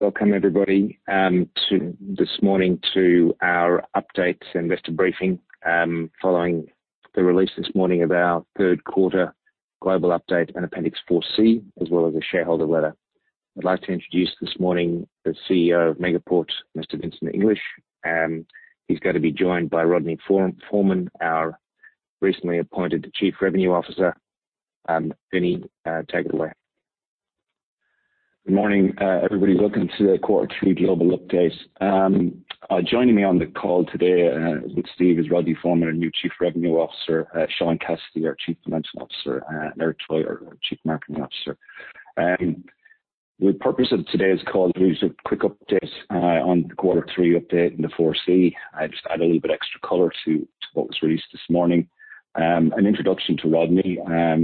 Welcome everybody this morning to our updates investor briefing, following the release this morning of our third quarter global update and Appendix 4C, as well as a shareholder letter. I'd like to introduce this morning the CEO of Megaport, Mr. Vincent English. He's going to be joined by Rodney Foreman, our recently appointed Chief Revenue Officer. Vinnie, take it away. Good morning, everybody. Welcome to the Quarter 3 Global Update. Joining me on the call today with Steve is Rodney Foreman, our new Chief Revenue Officer, Sean Cassidy, our Chief Financial Officer, and Eric Troyer, our Chief Marketing Officer. The purpose of today's call is a quick update on the Quarter 3 update and the 4C. Just add a little bit extra color to what was released this morning. An introduction to Rodney,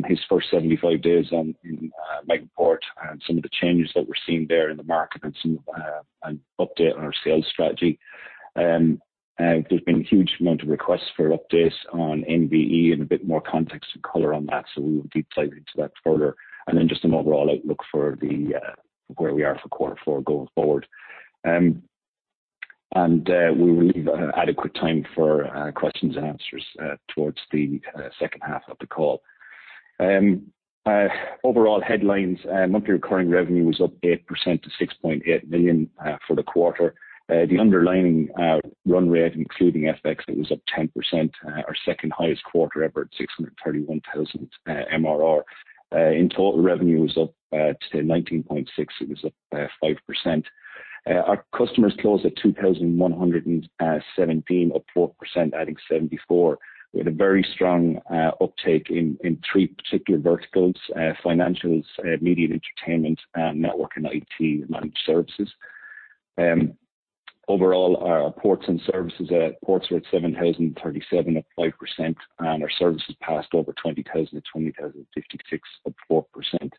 his first 75 days in Megaport, and some of the changes that we're seeing there in the market, and an update on our sales strategy. There's been a huge amount of requests for updates on MVE and a bit more context and color on that, we will deep dive into that further. Just an overall outlook for where we are for Quarter 4 going forward. We will leave adequate time for questions and answers towards the second half of the call. Overall headlines. Monthly recurring revenue was up 8% to 6.8 million for the quarter. The underlying run rate, including FX, it was up 10%, our second highest quarter ever at 631,000 MRR. In total, revenue was up to 19.6 million. It was up 5%. Our customers closed at 2,117, up 4%, adding 74, with a very strong uptake in three particular verticals: financials, media and entertainment, and network and IT managed services. Overall, our ports and services. Ports were at 7,037, up 5%, and our services passed over 20,000 at 20,056, up 4%.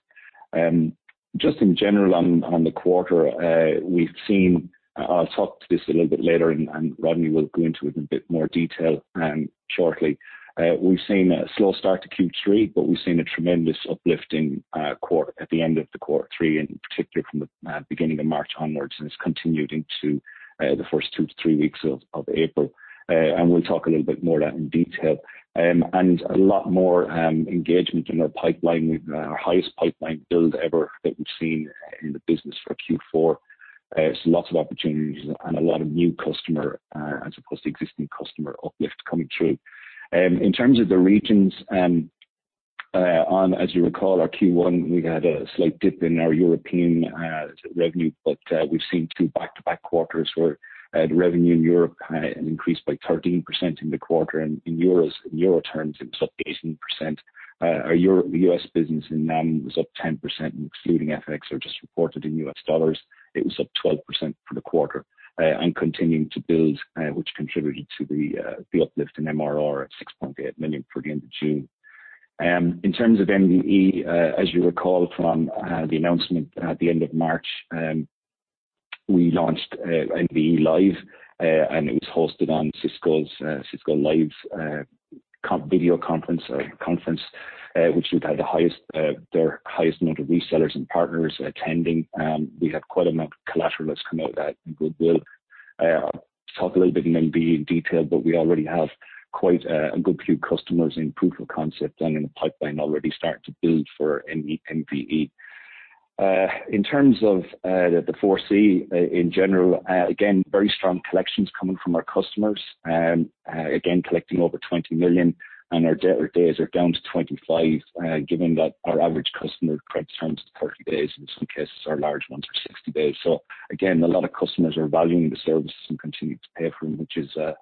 Just in general on the quarter, I'll talk to this a little bit later and Rodney will go into it in a bit more detail shortly. We've seen a slow start to Q3, but we've seen a tremendous uplifting at the end of the Quarter 3, and in particular from the beginning of March onwards, and it's continued into the first two to three weeks of April. We'll talk a little bit more on that in detail. A lot more engagement in our pipeline. Our highest pipeline build ever that we've seen in the business for Q4. Lots of opportunities and a lot of new customer, as opposed to existing customer uplift coming through. In terms of the regions, as you recall, our Q1, we had a slight dip in our European revenue, we've seen two back-to-back quarters where the revenue in Europe increased by 13% in the quarter. In EUR terms, it was up 18%. Our US business in NAM was up 10%. Excluding FX or just reported in US dollars, it was up 12% for the quarter. Continuing to build, which contributed to the uplift in MRR at 6.8 million for the end of March. In terms of MVE, as you recall from the announcement at the end of March, we launched MVE Live. It was hosted on Cisco Live conference, which had their highest amount of resellers and partners attending. We had quite amount of collateral that's come out that I think we will talk a little bit in MVE in detail. We already have quite a good few customers in proof of concept and in the pipeline already starting to build for MVE. In terms of the 4C in general, again, very strong collections coming from our customers. Collecting over 20 million, and our debt days are down to 25, given that our average customer credit term is 30 days. In some cases, our large ones are 60 days. A lot of customers are valuing the services and continuing to pay for them, which is a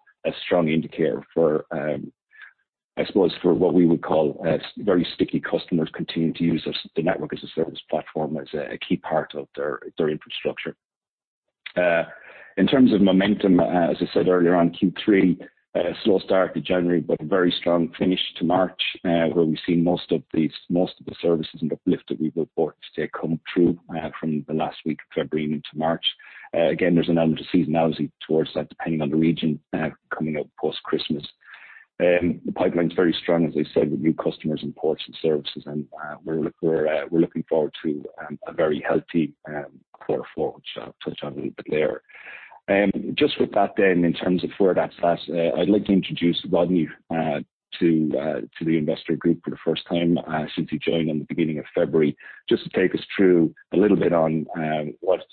strong indicator for what we would call very sticky customers continuing to use the Network as a Service platform as a key part of their infrastructure. In terms of momentum, as I said earlier on Q3, a slow start to January, but a very strong finish to March, where we've seen most of the services and uplift that we've reported today come through from the last week of February into March. There's an element of seasonality towards that, depending on the region coming out post-Christmas. The pipeline's very strong, as I said, with new customers and ports and services, and we're looking forward to a very healthy Quarter 4, which I'll touch on a little bit later. Just with that then, in terms of further access, I'd like to introduce Rodney to the investor group for the first time since he joined in the beginning of February, just to take us through a little bit on what's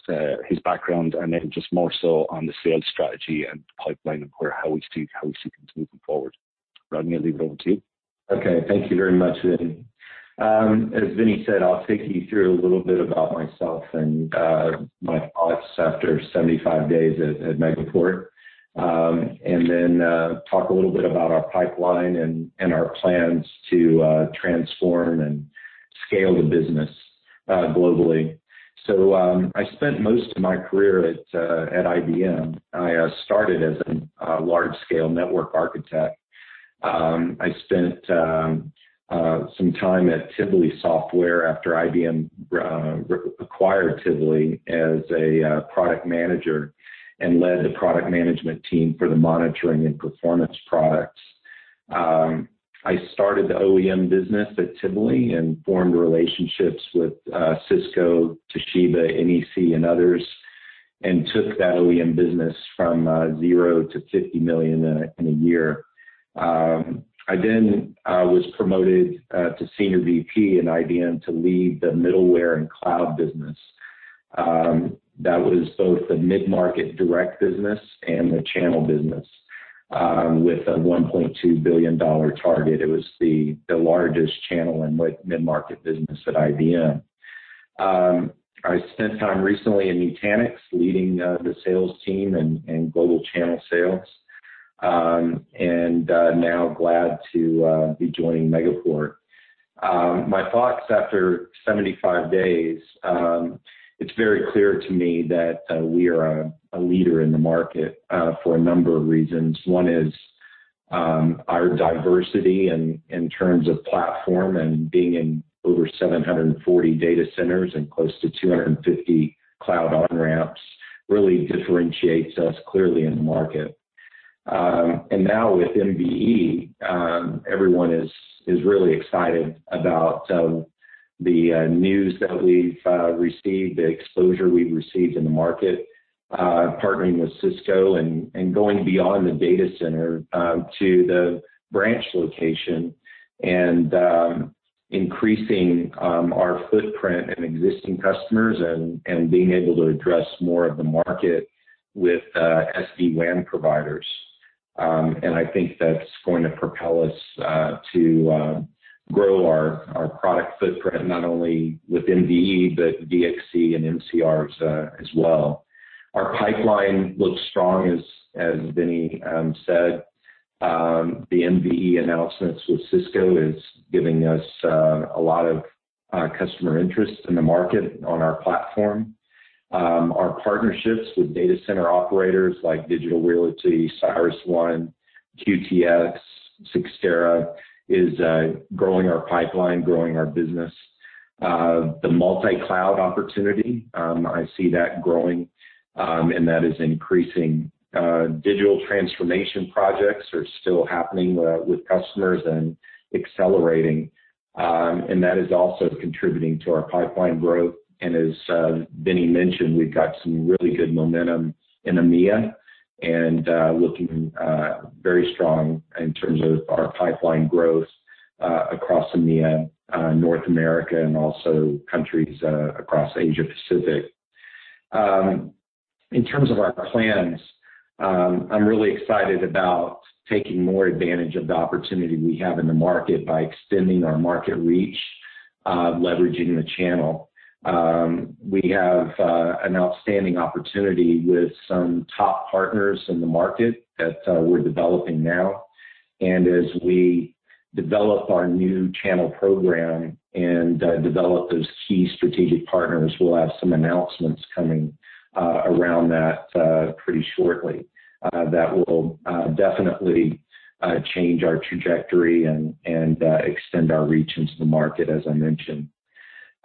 his background and then just more so on the sales strategy and pipeline of how we see things moving forward. Rodney, I leave it over to you. Thank you very much, Vinnie. As Vinnie said, I'll take you through a little bit about myself and my thoughts after 75 days at Megaport. Talk a little bit about our pipeline and our plans to transform and scale the business globally. I spent most of my career at IBM. I started as a large-scale network architect. I spent some time at Tivoli Software after IBM acquired Tivoli as a product manager and led the product management team for the monitoring and performance products. I started the OEM business at Tivoli and formed relationships with Cisco, Toshiba, NEC, and others, and took that OEM business from 0 to 50 million in a year. I was promoted to senior VP in IBM to lead the middleware and cloud business. That was both the mid-market direct business and the channel business with a 1.2 billion dollar target. It was the largest channel and mid-market business at IBM. I spent time recently in Nutanix, leading the sales team and global channel sales. Now glad to be joining Megaport. My thoughts after 75 days, it's very clear to me that we are a leader in the market for a number of reasons. One is our diversity in terms of platform and being in over 740 data centers and close to 250 cloud on-ramps really differentiates us clearly in the market. Now with MVE, everyone is really excited about the news that we've received, the exposure we've received in the market. Partnering with Cisco and going beyond the data center to the branch location and increasing our footprint and existing customers and being able to address more of the market with SD-WAN providers. I think that's going to propel us to grow our product footprint, not only with MVE but VXC and MCRs as well. Our pipeline looks strong, as Vinnie said. The MVE announcements with Cisco is giving us a lot of customer interest in the market on our platform. Our partnerships with data center operators like Digital Realty, CyrusOne, QTS, Cyxtera, is growing our pipeline, growing our business. The multi-cloud opportunity, I see that growing, and that is increasing. Digital transformation projects are still happening with customers and accelerating. That is also contributing to our pipeline growth. As Vinnie mentioned, we've got some really good momentum in EMEA, and looking very strong in terms of our pipeline growth across EMEA, North America, and also countries across Asia Pacific. In terms of our plans, I'm really excited about taking more advantage of the opportunity we have in the market by extending our market reach, leveraging the channel. We have an outstanding opportunity with some top partners in the market that we're developing now. As we develop our new channel program and develop those key strategic partners, we'll have some announcements coming around that pretty shortly. That will definitely change our trajectory and extend our reach into the market, as I mentioned.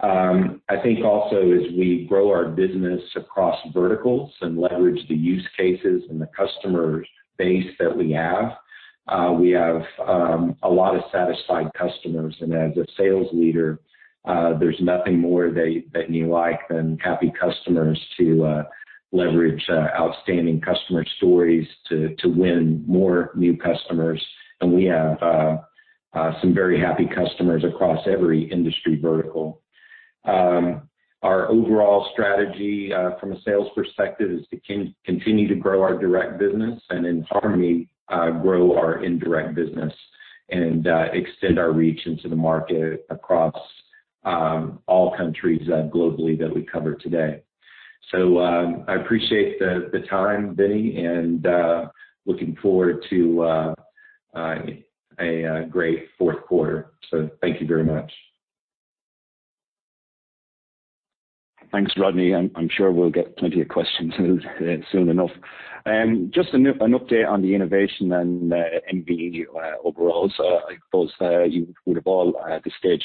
I think also as we grow our business across verticals and leverage the use cases and the customer base that we have. We have a lot of satisfied customers, and as a sales leader, there's nothing more that you like than happy customers to leverage outstanding customer stories to win more new customers. We have some very happy customers across every industry vertical. Our overall strategy from a sales perspective is to continue to grow our direct business and in harmony, grow our indirect business and extend our reach into the market across all countries globally that we cover today. I appreciate the time, Vinnie, and looking forward to a great fourth quarter. Thank you very much. Thanks, Rodney. I'm sure we'll get plenty of questions soon enough. Just an update on the innovation and MVE overall. I suppose you would have all, at this stage,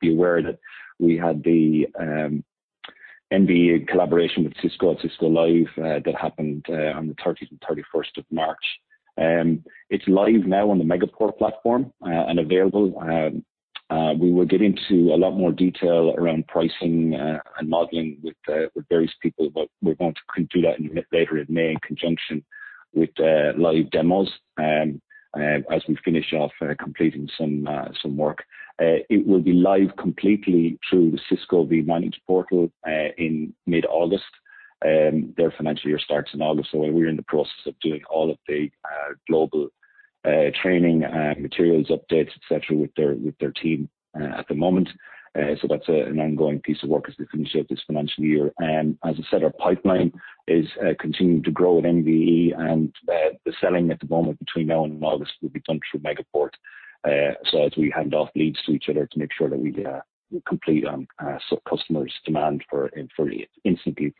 be aware that we had the MVE collaboration with Cisco at Cisco Live, that happened on the 30th and 31st of March. It is live now on the Megaport platform, and available. We will get into a lot more detail around pricing and modeling with various people, but we are going to do that later in May in conjunction with live demos as we finish off completing some work. It will be live completely through the Cisco vManage portal in mid-August. Their financial year starts in August, we are in the process of doing all of the global training materials updates, et cetera, with their team at the moment. That's an ongoing piece of work as we finish up this financial year. As I said, our pipeline is continuing to grow at MVE, and the selling at the moment between now and August will be done through Megaport. As we hand off leads to each other to make sure that we complete on customers' demand for MVE instantly.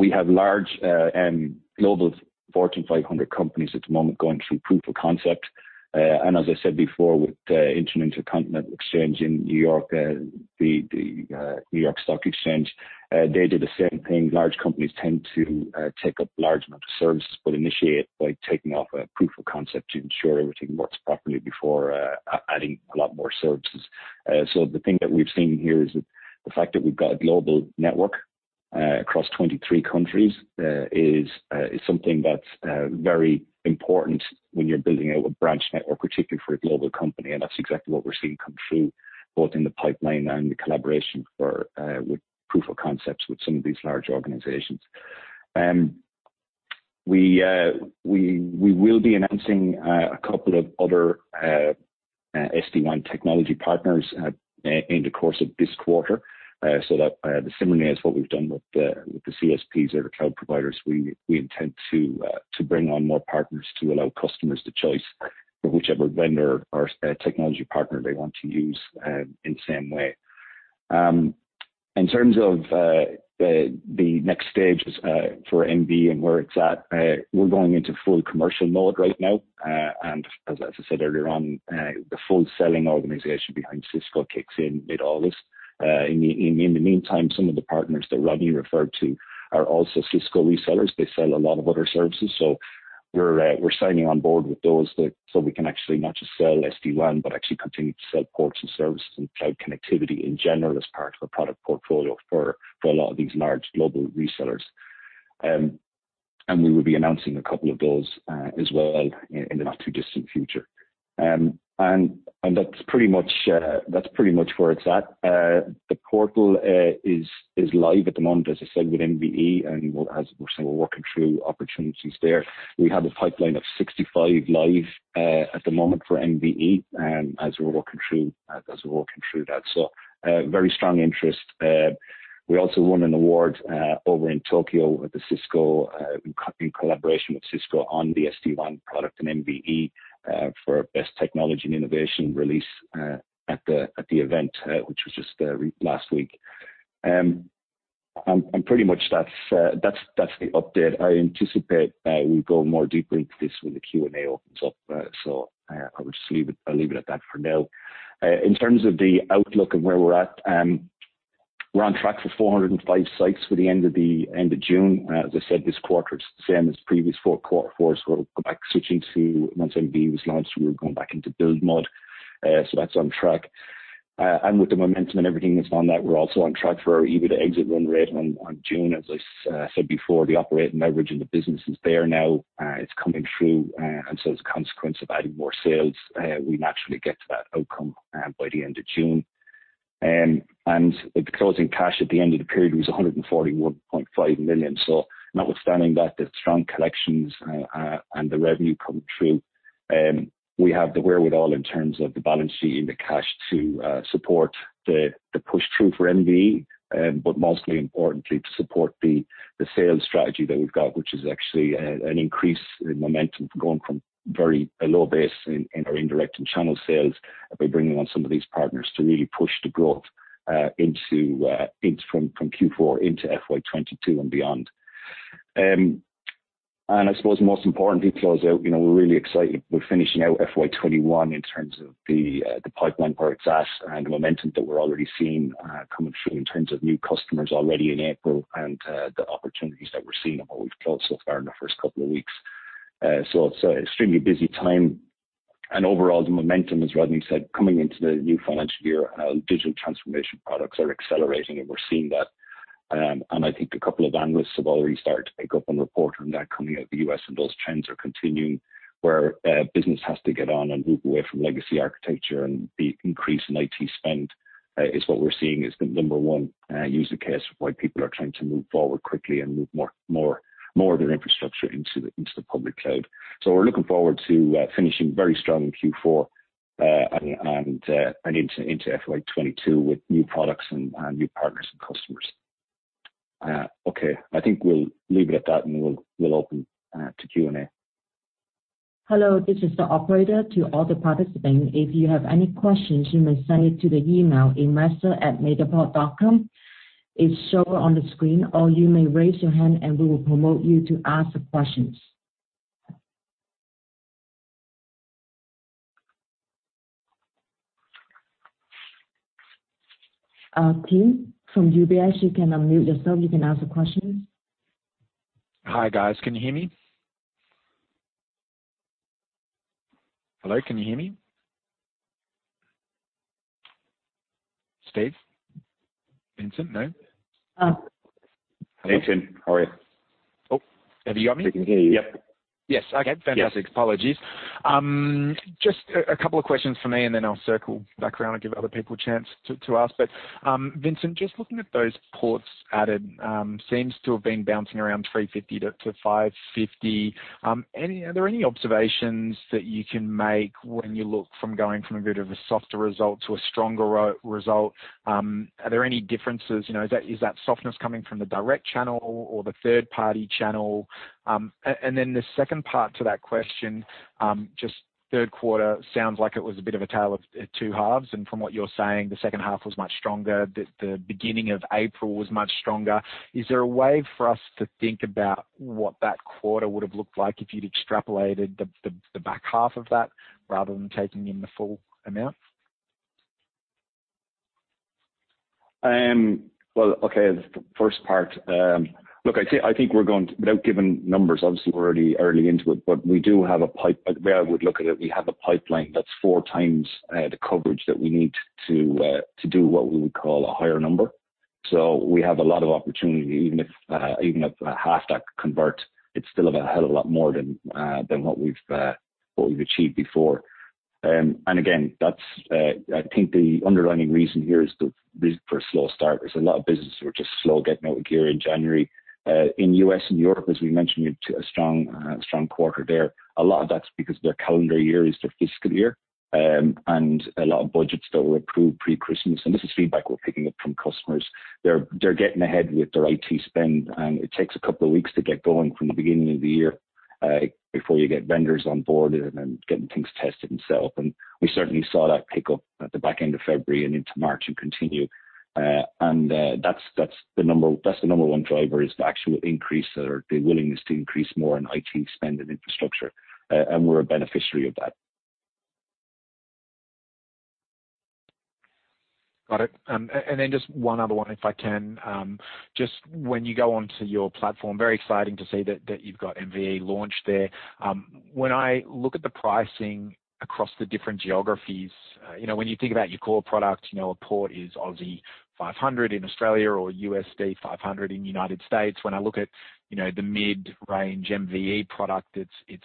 We have large and global Fortune 500 companies at the moment going through proof of concept. As I said before, with Intercontinental Exchange in New York, the New York Stock Exchange, they did the same thing. Large companies tend to take up large amounts of services, but initiate by taking off a proof of concept to ensure everything works properly before adding a lot more services. The thing that we've seen here is that the fact that we've got a global network across 23 countries is something that's very important when you're building out a branch network, particularly for a global company. That's exactly what we're seeing come through, both in the pipeline and the collaboration with proof of concepts with some of these large organizations. We will be announcing a couple of other SD-WAN technology partners in the course of this quarter. That similarly as what we've done with the CSPs or the cloud providers, we intend to bring on more partners to allow customers the choice for whichever vendor or technology partner they want to use in the same way. In terms of the next stages for MVE and where it's at, we're going into full commercial mode right now. As I said earlier on, the full selling organization behind Cisco kicks in mid-August. In the meantime, some of the partners that Rodney referred to are also Cisco resellers. They sell a lot of other services. We're signing on board with those so we can actually not just sell SD-WAN, but actually continue to sell ports and services and cloud connectivity in general as part of the product portfolio for a lot of these large global resellers. We will be announcing a couple of those as well in the not-too-distant future. That's pretty much where it's at. The portal is live at the moment, as I said, with MVE, and as we're saying, we're working through opportunities there. We have a pipeline of 65 live at the moment for MVE, as we're working through that. Very strong interest. We also won an award over in Tokyo in collaboration with Cisco on the SD-WAN product and MVE for Best Technology and Innovation Release at the event, which was just last week. Pretty much that's the update. I anticipate we'll go more deeply into this when the Q&A opens up, so I'll leave it at that for now. In terms of the outlook and where we're at, we're on track for 405 sites for the end of June. As I said, this quarter, it's the same as the previous four quarters. We'll go back switching to once MVE was launched, we were going back into build mode. That's on track. With the momentum and everything that's on that, we're also on track for our EBITDA exit run rate on June. As I said before, the operating leverage in the business is there now. It's coming through. As a consequence of adding more sales, we naturally get to that outcome by the end of June. The closing cash at the end of the period was 141.5 million. Notwithstanding that, the strong collections and the revenue coming through, we have the wherewithal in terms of the balance sheet and the cash to support the push through for MVE, but mostly importantly, to support the sales strategy that we've got, which is actually an increase in momentum going from very a low base in our indirect and channel sales by bringing on some of these partners to really push the growth from Q4 into FY 2022 and beyond. I suppose most importantly, to close out, we're really excited. We're finishing out FY 2021 in terms of the pipeline where it's at and the momentum that we're already seeing coming through in terms of new customers already in April and the opportunities that we're seeing about we've closed so far in the first couple of weeks. It's an extremely busy time. Overall, the momentum, as Rodney said, coming into the new financial year, digital transformation products are accelerating and we're seeing that. I think a couple of analysts have already started to pick up and report on that coming out of the U.S., and those trends are continuing, where business has to get on and move away from legacy architecture and the increase in IT spend is what we're seeing as the number one user case for why people are trying to move forward quickly and move more of their infrastructure into the public cloud. We're looking forward to finishing very strong in Q4 and into FY 2022 with new products and new partners and customers. Okay. I think we'll leave it at that and we'll open to Q&A. Hello, this is the operator. To all the participants, if you have any questions, you may send it to the email, investor@megaport.com. It's shown on the screen, or you may raise your hand and we will promote you to ask the questions. Tim from UBS, you can unmute yourself. You can ask the question. Hi, guys. Can you hear me? Hello, can you hear me? Steve? Vincent? No? Hey, Tim. How are you? Oh, have you got me? We can hear you, yp. Yes. Okay. Fantastic. Apologies. Just a couple of questions for me, and then I'll circle back around and give other people a chance to ask. Vincent, just looking at those ports added, seems to have been bouncing around 350 to 550. Are there any observations that you can make when you look from going from a bit of a softer result to a stronger result? Are there any differences? Is that softness coming from the direct channel or the third-party channel? The second part to that question, just third quarter sounds like it was a bit of a tale of two halves. From what you're saying, the second half was much stronger. The beginning of April was much stronger. Is there a way for us to think about what that quarter would have looked like if you'd extrapolated the back half of that rather than taking in the full amount? Well, okay, the first part. Look, I think we're going to, without giving numbers, obviously we're early into it, but the way I would look at it, we have a pipeline that's four times the coverage that we need to do what we would call a higher number. Even if half that convert, it's still a hell of a lot more than what we've achieved before. Again, I think the underlying reason here is the slow start. There's a lot of businesses who are just slow getting out of gear in January. In U.S. and Europe, as we mentioned, a strong quarter there. A lot of that's because their calendar year is their fiscal year, and a lot of budgets that were approved pre-Christmas. This is feedback we're picking up from customers. They're getting ahead with their IT spend, and it takes a couple of weeks to get going from the beginning of the year, before you get vendors on board and then getting things tested and so forth. We certainly saw that pick up at the back end of February and into March and continue. That's the number one driver, is the actual increase or the willingness to increase more in IT spend and infrastructure, and we're a beneficiary of that. Got it. Just one other one, if I can. Just when you go onto your platform, very exciting to see that you have got MVE launched there. When I look at the pricing across the different geographies, when you think about your core product, a port is 500 in Australia or USD 500 in the U.S. When I look at the mid-range MVE product, it is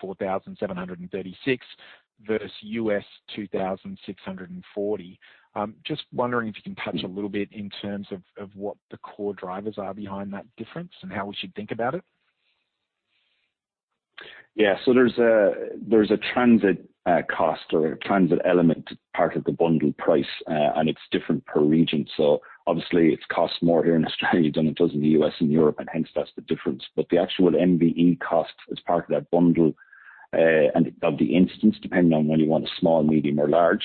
4,736 versus 2,640. Just wondering if you can touch a little bit in terms of what the core drivers are behind that difference and how we should think about it. There's a transit cost or a transit element part of the bundle price, and it's different per region. Obviously it costs more here in Australia than it does in the U.S. and Europe, and hence that's the difference. The actual MVE cost as part of that bundle, and of the instance, depending on whether you want a small, medium, or large.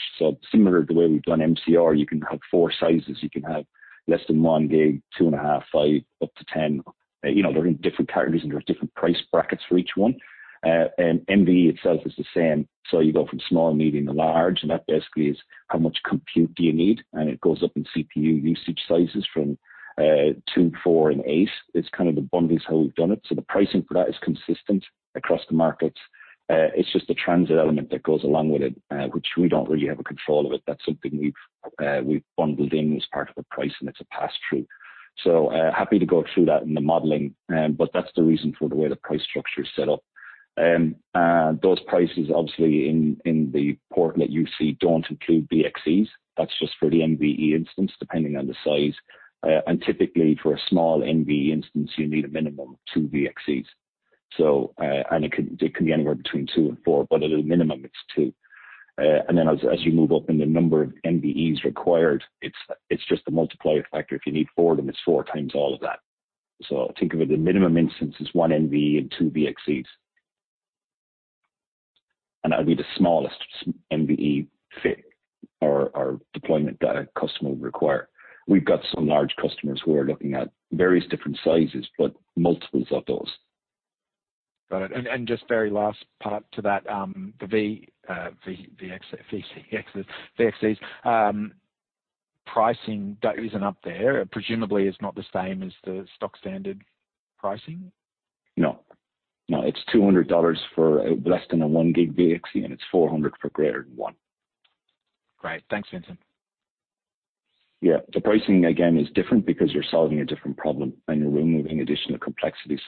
Similar to the way we've done MCR, you can have four sizes. You can have less than 1 gig, 2.5, five, up to 10. They're in different categories, and there's different price brackets for each one. MVE itself is the same. You go from small, medium, and large, and that basically is how much compute do you need, and it goes up in CPU usage sizes from two, four, and eight. It's kind of the bundles how we've done it. The pricing for that is consistent across the markets. It's just the transit element that goes along with it, which we don't really have a control of it. That's something we've bundled in as part of the price, and it's a pass-through. Happy to go through that in the modeling, but that's the reason for the way the price structure is set up. Those prices, obviously, in the port that you see, don't include VXCs. That's just for the MVE instance, depending on the size. Typically, for a small MVE instance, you need a minimum of two VXCs. It can be anywhere between two and four, but at a minimum it's two. As you move up in the number of MVEs required, it's just a multiplier factor. If you need four then it's four times all of that. Think of it, the minimum instance is one MVE and two VXCs. That would be the smallest MVE fit or deployment that a customer would require. We've got some large customers who are looking at various different sizes, but multiples of those. Got it. Just very last part to that. The VXCs pricing isn't up there. Presumably it's not the same as the stock standard pricing? No. It's 200 dollars for less than a one gig VXC, and it's 400 for greater than one. Great. Thanks, Vincent. Yeah. The pricing, again, is different because you're solving a different problem and you're removing additional complexity.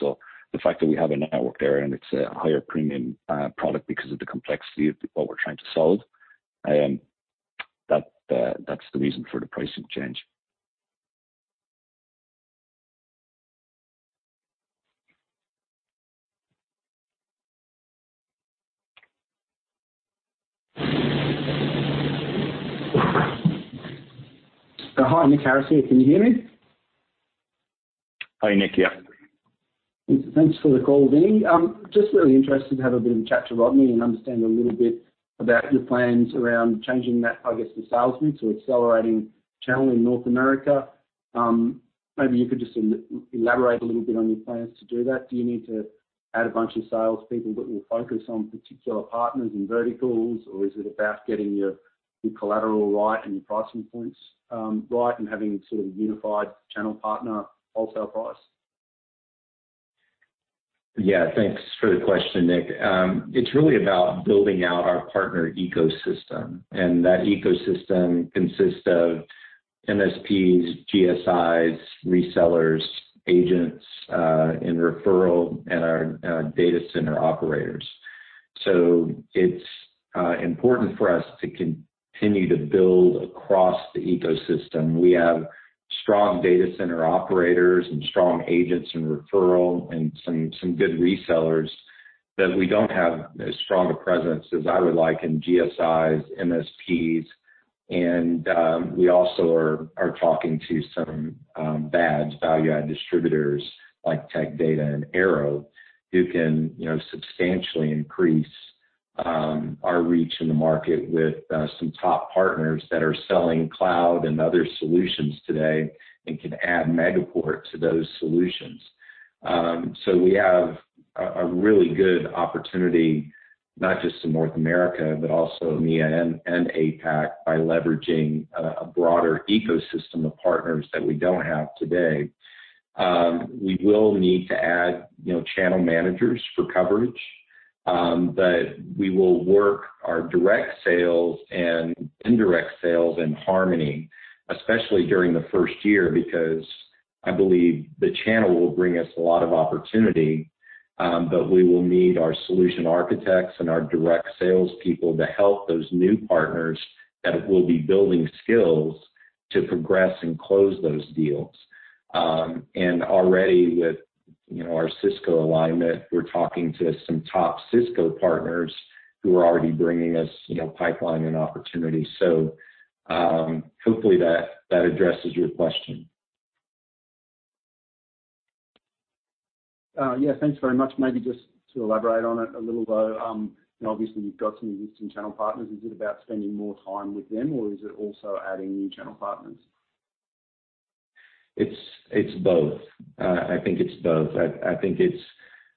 The fact that we have a network there and it's a higher premium product because of the complexity of what we're trying to solve, that's the reason for the pricing change. Hi, Nick Harris. Can you hear me? Hi, Nick. Yeah. Thanks for the call, Vinnie. Just really interested to have a bit of a chat to Rodney and understand a little bit about your plans around changing that, I guess, the sales mix or accelerating channel in North America. Maybe you could just elaborate a little bit on your plans to do that. Do you need to add a bunch of salespeople that will focus on particular partners and verticals, or is it about getting your collateral right and your pricing points right, and having sort of unified channel partner wholesale price? Thanks for the question, Nick. It's really about building out our partner ecosystem. That ecosystem consists of MSPs, GSIs, resellers, agents in referral, and our data center operators. It's important for us to continue to build across the ecosystem. We have strong data center operators and strong agents in referral and some good resellers that we don't have as strong a presence as I would like in GSIs, MSPs. We also are talking to some VADs, value-add distributors, like Tech Data and Arrow, who can substantially increase our reach in the market with some top partners that are selling cloud and other solutions today and can add Megaport to those solutions. We have a really good opportunity, not just in North America, but also in EMEA and APAC, by leveraging a broader ecosystem of partners that we don't have today. We will need to add channel managers for coverage. We will work our direct sales and indirect sales in harmony, especially during the first year, because I believe the channel will bring us a lot of opportunity. We will need our solution architects and our direct salespeople to help those new partners that will be building skills to progress and close those deals. Already with our Cisco alignment, we're talking to some top Cisco partners who are already bringing us pipeline and opportunities. Hopefully that addresses your question. Yeah. Thanks very much. Maybe just to elaborate on it a little though. Obviously you've got some existing channel partners. Is it about spending more time with them, or is it also adding new channel partners? It's both. I think it's both. I think it's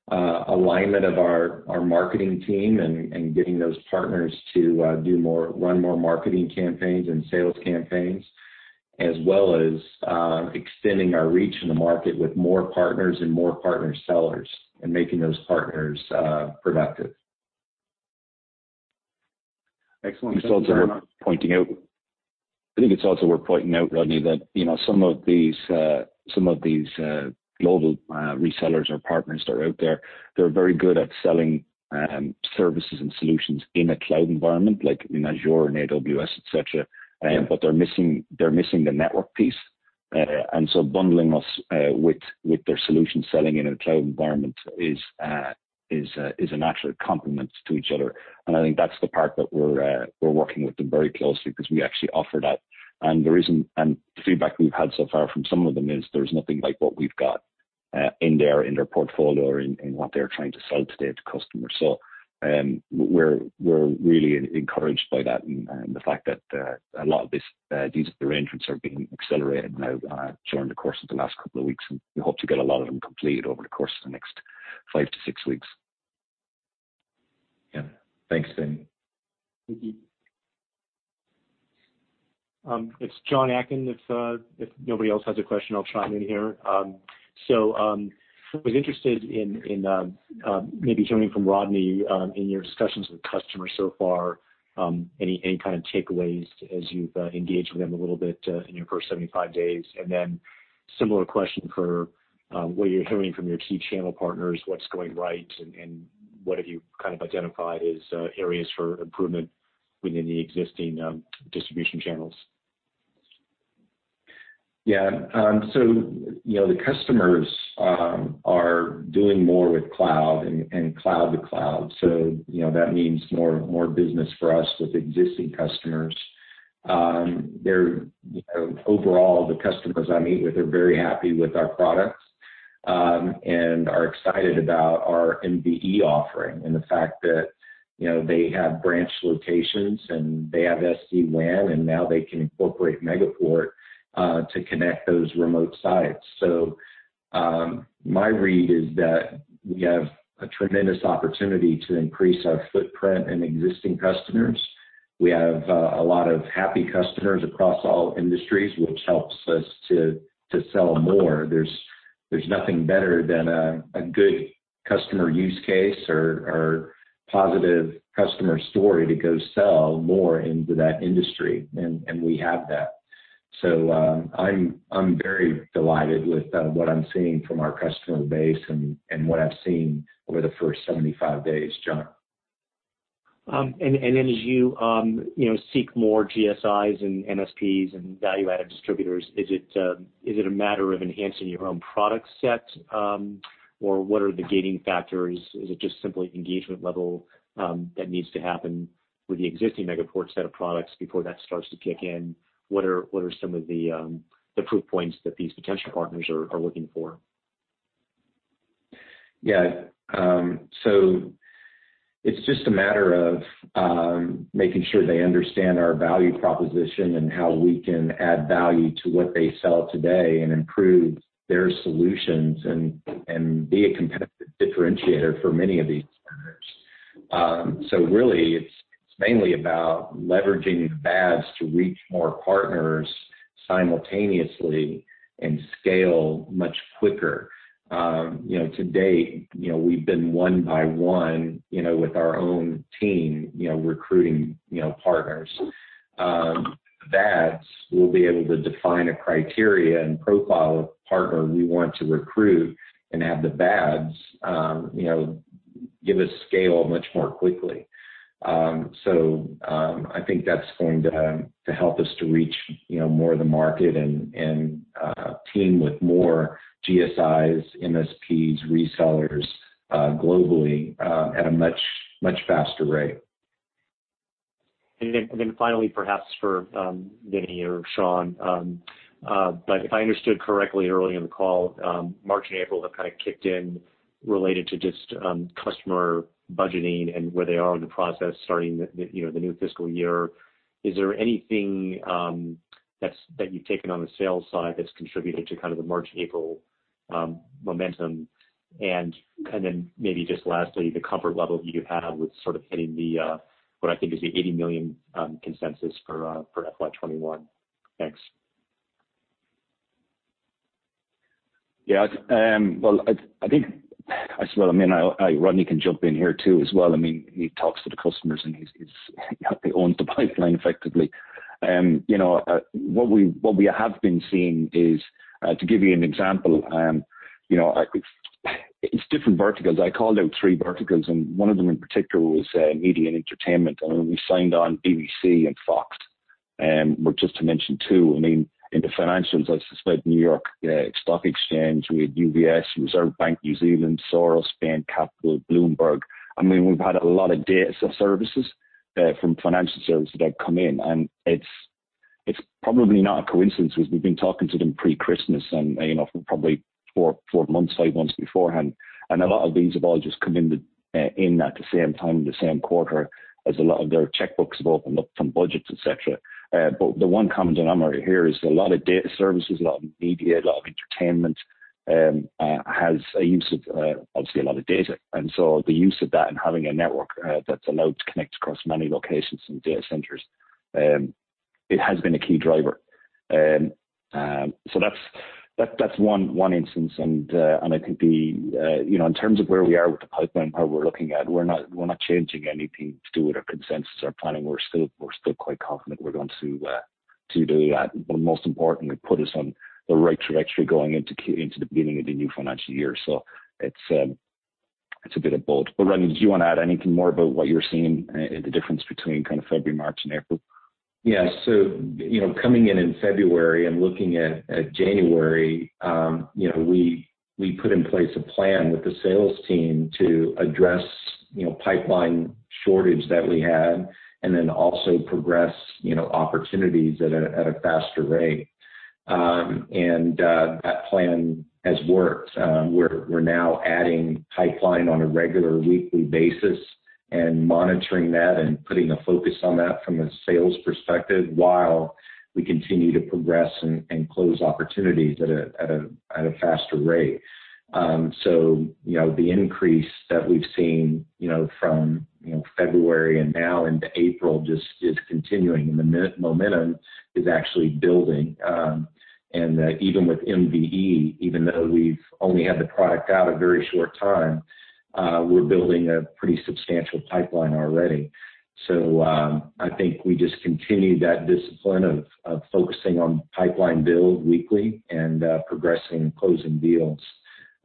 alignment of our marketing team and getting those partners to run more marketing campaigns and sales campaigns, as well as extending our reach in the market with more partners and more partner sellers, and making those partners productive. Excellent. Thanks very much. I think it's also worth pointing out, Rodney, that some of these global resellers or partners that are out there, they're very good at selling services and solutions in a cloud environment, like in Azure and AWS, et cetera. They're missing the network piece. Bundling us with their solution selling in a cloud environment is a natural complement to each other. I think that's the part that we're working with them very closely because we actually offer that. The feedback we've had so far from some of them is there's nothing like what we've got in their portfolio or in what they're trying to sell today to customers. We're really encouraged by that, and the fact that a lot of these arrangements are being accelerated now during the course of the last couple of weeks. We hope to get a lot of them complete over the course of the next five to six weeks. Yeah. Thanks, Vinnie. Thank you. It's John Atkin. If nobody else has a question, I'll chime in here. I was interested in maybe hearing from Rodney, in your discussions with customers so far, any kind of takeaways as you've engaged with them a little bit in your first 75 days? Similar question for what you're hearing from your key channel partners. What's going right, and what have you kind of identified as areas for improvement within the existing distribution channels? Yeah. The customers are doing more with cloud and cloud to cloud. That means more business for us with existing customers. Overall, the customers I meet with are very happy with our products, and are excited about our MVE offering, and the fact that they have branch locations, and they have SD-WAN, and now they can incorporate Megaport to connect those remote sites. My read is that we have a tremendous opportunity to increase our footprint in existing customers. We have a lot of happy customers across all industries, which helps us to sell more. There's nothing better than a good customer use case or positive customer story to go sell more into that industry. We have that. I'm very delighted with what I'm seeing from our customer base and what I've seen over the first 75 days, John. As you seek more GSIs and MSPs and Value-Added Distributors, is it a matter of enhancing your own product set? Or what are the gating factors? Is it just simply engagement level that needs to happen with the existing Megaport set of products before that starts to kick in? What are some of the proof points that these potential partners are looking for? It's just a matter of making sure they understand our value proposition and how we can add value to what they sell today, and improve their solutions, and be a competitive differentiator for many of these partners. Really it's mainly about leveraging the VADs to reach more partners simultaneously and scale much quicker. To date, we've been one by one with our own team recruiting partners. VADs will be able to define a criteria and profile of partner we want to recruit and have the VADs give us scale much more quickly. I think that's going to help us to reach more of the market and team with more GSIs, MSPs, resellers globally at a much faster rate. Finally, perhaps for Vinnie or Sean. If I understood correctly early in the call, March and April have kind of kicked in related to just customer budgeting and where they are in the process starting the new fiscal year. Is there anything that you've taken on the sales side that's contributed to kind of the March, April momentum? Maybe just lastly, the comfort level you have with sort of hitting the, what I think is the 80 million consensus for FY 2021. Thanks. Yeah. Well, Rodney can jump in here too as well. He talks to the customers, he owns the pipeline effectively. What we have been seeing is, to give you an example, it's different verticals. I called out three verticals, one of them in particular was media and entertainment, we signed on BBC and Fox. Well, just to mention two. In the financials, I suspect New York Stock Exchange. We had UBS, Reserve Bank of New Zealand, Soros, Bain Capital, Bloomberg. We've had a lot of data services from financial services that have come in, it's probably not a coincidence because we've been talking to them pre-Christmas and, probably four, five months beforehand. A lot of these have all just come in at the same time, the same quarter, as a lot of their checkbooks have opened up from budgets, etcetera. The one common denominator here is a lot of data services, a lot of media, a lot of entertainment, has a use of obviously a lot of data. The use of that and having a network that's allowed to connect across many locations and data centers, it has been a key driver. That's one instance. I think in terms of where we are with the pipeline, how we're looking at, we're not changing anything to do with our consensus, our planning. We're still quite confident we're going to do that. Most importantly, put us on the right trajectory going into the beginning of the new financial year. It's a bit of both. Rodney, do you want to add anything more about what you're seeing in the difference between kind of February, March, and April? Yeah. Coming in in February and looking at January, we put in place a plan with the sales team to address pipeline shortage that we had and then also progress opportunities at a faster rate. That plan has worked. We're now adding pipeline on a regular weekly basis and monitoring that and putting a focus on that from a sales perspective while we continue to progress and close opportunities at a faster rate. The increase that we've seen from February and now into April just is continuing and the momentum is actually building. Even with MVE, even though we've only had the product out a very short time, we're building a pretty substantial pipeline already. I think we just continue that discipline of focusing on pipeline build weekly and progressing and closing deals.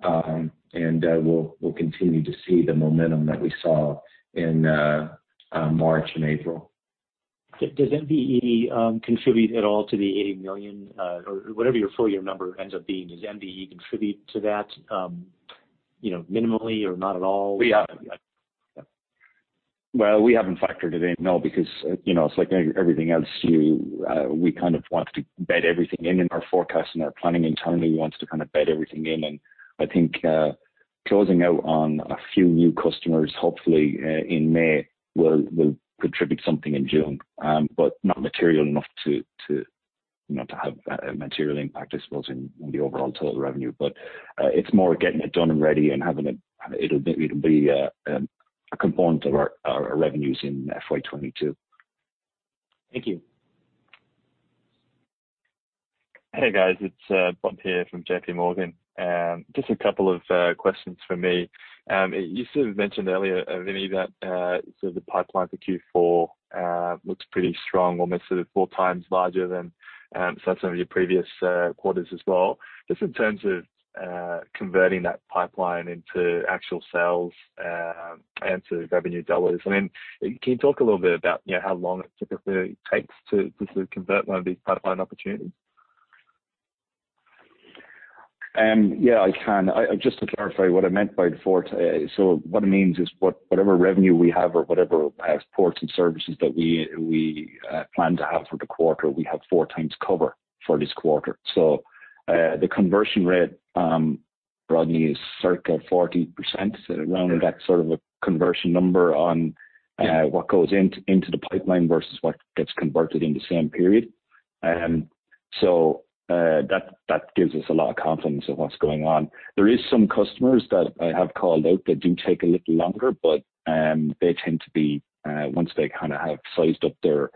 We'll continue to see the momentum that we saw in March and April. Does MVE contribute at all to the 80 million, or whatever your full year number ends up being, does MVE contribute to that minimally or not at all? We haven't factored it in, no, because it's like everything else, we kind of want to bed everything in our forecast and our planning internally wants to kind of bed everything in. I think closing out on a few new customers, hopefully, in May will contribute something in June. Not material enough to have a material impact, I suppose, in the overall total revenue. It's more getting it done and ready and it'll be a component of our revenues in FY 2022. Thank you. Hey, guys. It's Bond here from JPMorgan. Just a couple of questions from me. You sort of mentioned earlier, Vinnie, that the pipeline for Q4 looks pretty strong or sort of four times larger than some of your previous quarters as well. Just in terms of converting that pipeline into actual sales and to revenue dollars. Can you talk a little bit about how long it typically takes to sort of convert one of these pipeline opportunities? Yeah, I can. Just to clarify what I meant by the four. What it means is whatever revenue we have or whatever ports and services that we plan to have for the quarter, we have four times cover for this quarter. The conversion rate, Rodney, is circa 40%, around that sort of a conversion number on what goes into the pipeline versus what gets converted in the same period. That gives us a lot of confidence of what's going on. There is some customers that I have called out that do take a little longer, but they tend to be, once they kind of have sized up their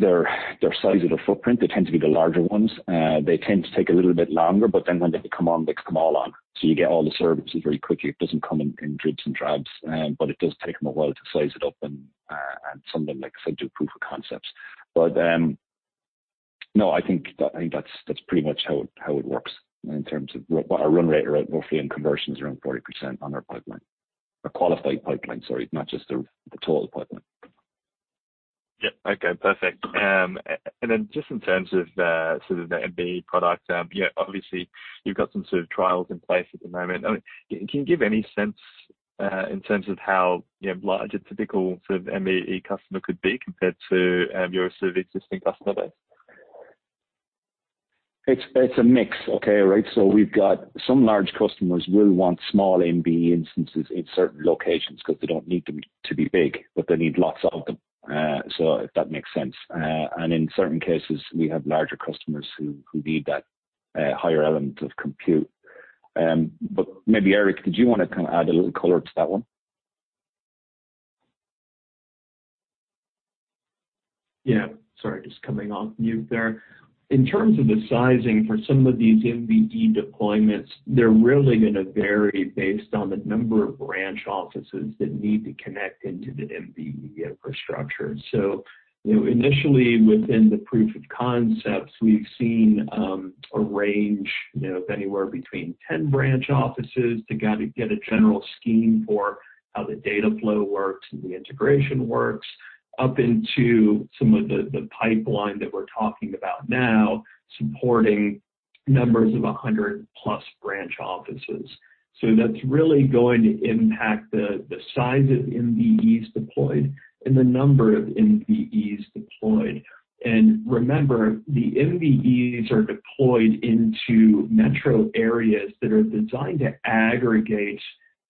size of the footprint, they tend to be the larger ones. They tend to take a little bit longer, when they come on, they come all on. You get all the services very quickly. It doesn't come in dribs and drabs. It does take them a while to size it up and some of them, like I said, do proof of concepts. No, I think that's pretty much how it works in terms of our run rate roughly and conversions around 40% on our pipeline. Our qualified pipeline, sorry, not just the total pipeline. Yep. Okay, perfect. Just in terms of the sort of the MVE product. Obviously you've got some sort of trials in place at the moment. Can you give any sense in terms of how large a typical sort of MVE customer could be compared to your sort of existing customer base? It's a mix. Okay, all right. We've got some large customers will want small MVE instances in certain locations because they don't need them to be big, but they need lots of them. If that makes sense. In certain cases, we have larger customers who need that higher element of compute. Maybe, Eric, did you want to add a little color to that one? Sorry, just coming off mute there. In terms of the sizing for some of these MVE deployments, they're really going to vary based on the number of branch offices that need to connect into the MVE infrastructure. Initially within the proof of concepts, we've seen a range of anywhere between 10 branch offices to get a general scheme for how the data flow works and the integration works, up into some of the pipeline that we're talking about now, supporting numbers of 100-plus branch offices. That's really going to impact the size of MVEs deployed and the number of MVEs deployed. Remember, the MVEs are deployed into metro areas that are designed to aggregate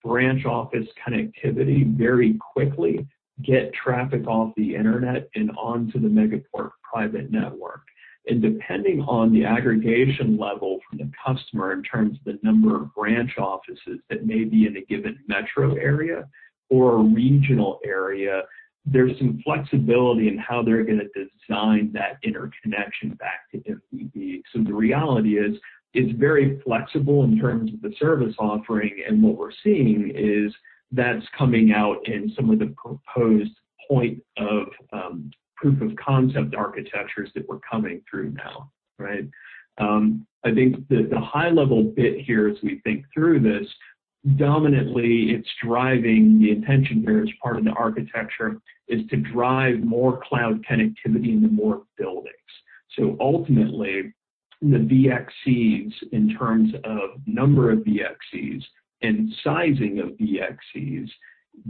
branch office connectivity very quickly, get traffic off the internet and onto the Megaport private network. Depending on the aggregation level from the customer in terms of the number of branch offices that may be in a given metro area or a regional area, there's some flexibility in how they're going to design that interconnection back to MVE. The reality is, it's very flexible in terms of the service offering, and what we're seeing is that's coming out in some of the proposed point of proof of concept architectures that we're coming through now. Right. I think the high-level bit here as we think through this, dominantly it's driving the intention here as part of the architecture, is to drive more cloud connectivity into more buildings. Ultimately, the VXCs, in terms of number of VXCs and sizing of VXCs,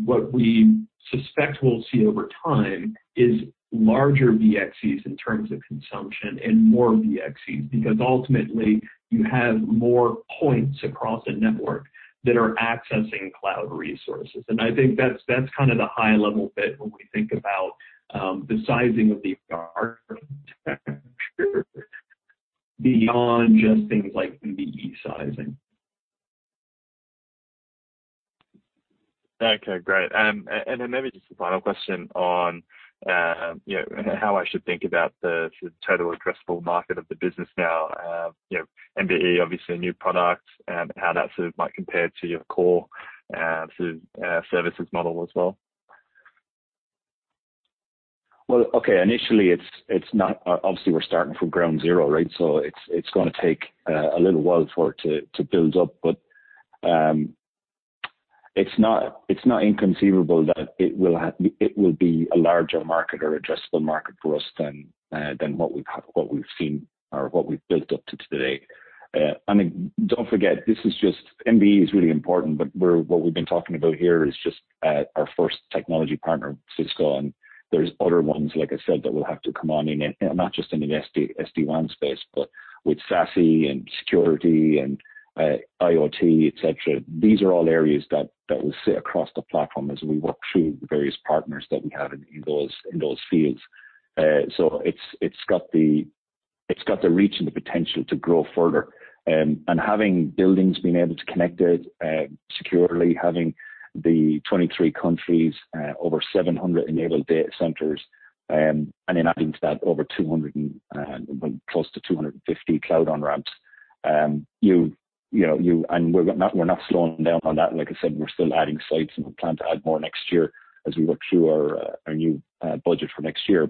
what we suspect we'll see over time is larger VXCs in terms of consumption and more VXCs. Ultimately, you have more points across a network that are accessing cloud resources. I think that's the high-level bit when we think about the sizing of the architecture beyond just things like MVE sizing. Okay, great. Maybe just a final question on how I should think about the total addressable market of the business now. MVE, obviously a new product, how that might compare to your core services model as well. Okay. Initially, obviously, we're starting from ground zero, right? It's going to take a little while for it to build up. It's not inconceivable that it will be a larger market or addressable market for us than what we've seen or what we've built up to today. I mean, don't forget, MVE is really important, but what we've been talking about here is just our first technology partner, Cisco, there's other ones, like I said, that will have to come on in. Not just in the SD-WAN space, but with SASE and security and IoT, et cetera. These are all areas that will sit across the platform as we work through the various partners that we have in those fields. It's got the reach and the potential to grow further. Having buildings being able to connect to it securely, having the 23 countries, over 700 enabled data centers, then adding to that close to 250 cloud on-ramps. We're not slowing down on that. Like I said, we're still adding sites, and we plan to add more next year as we work through our new budget for next year.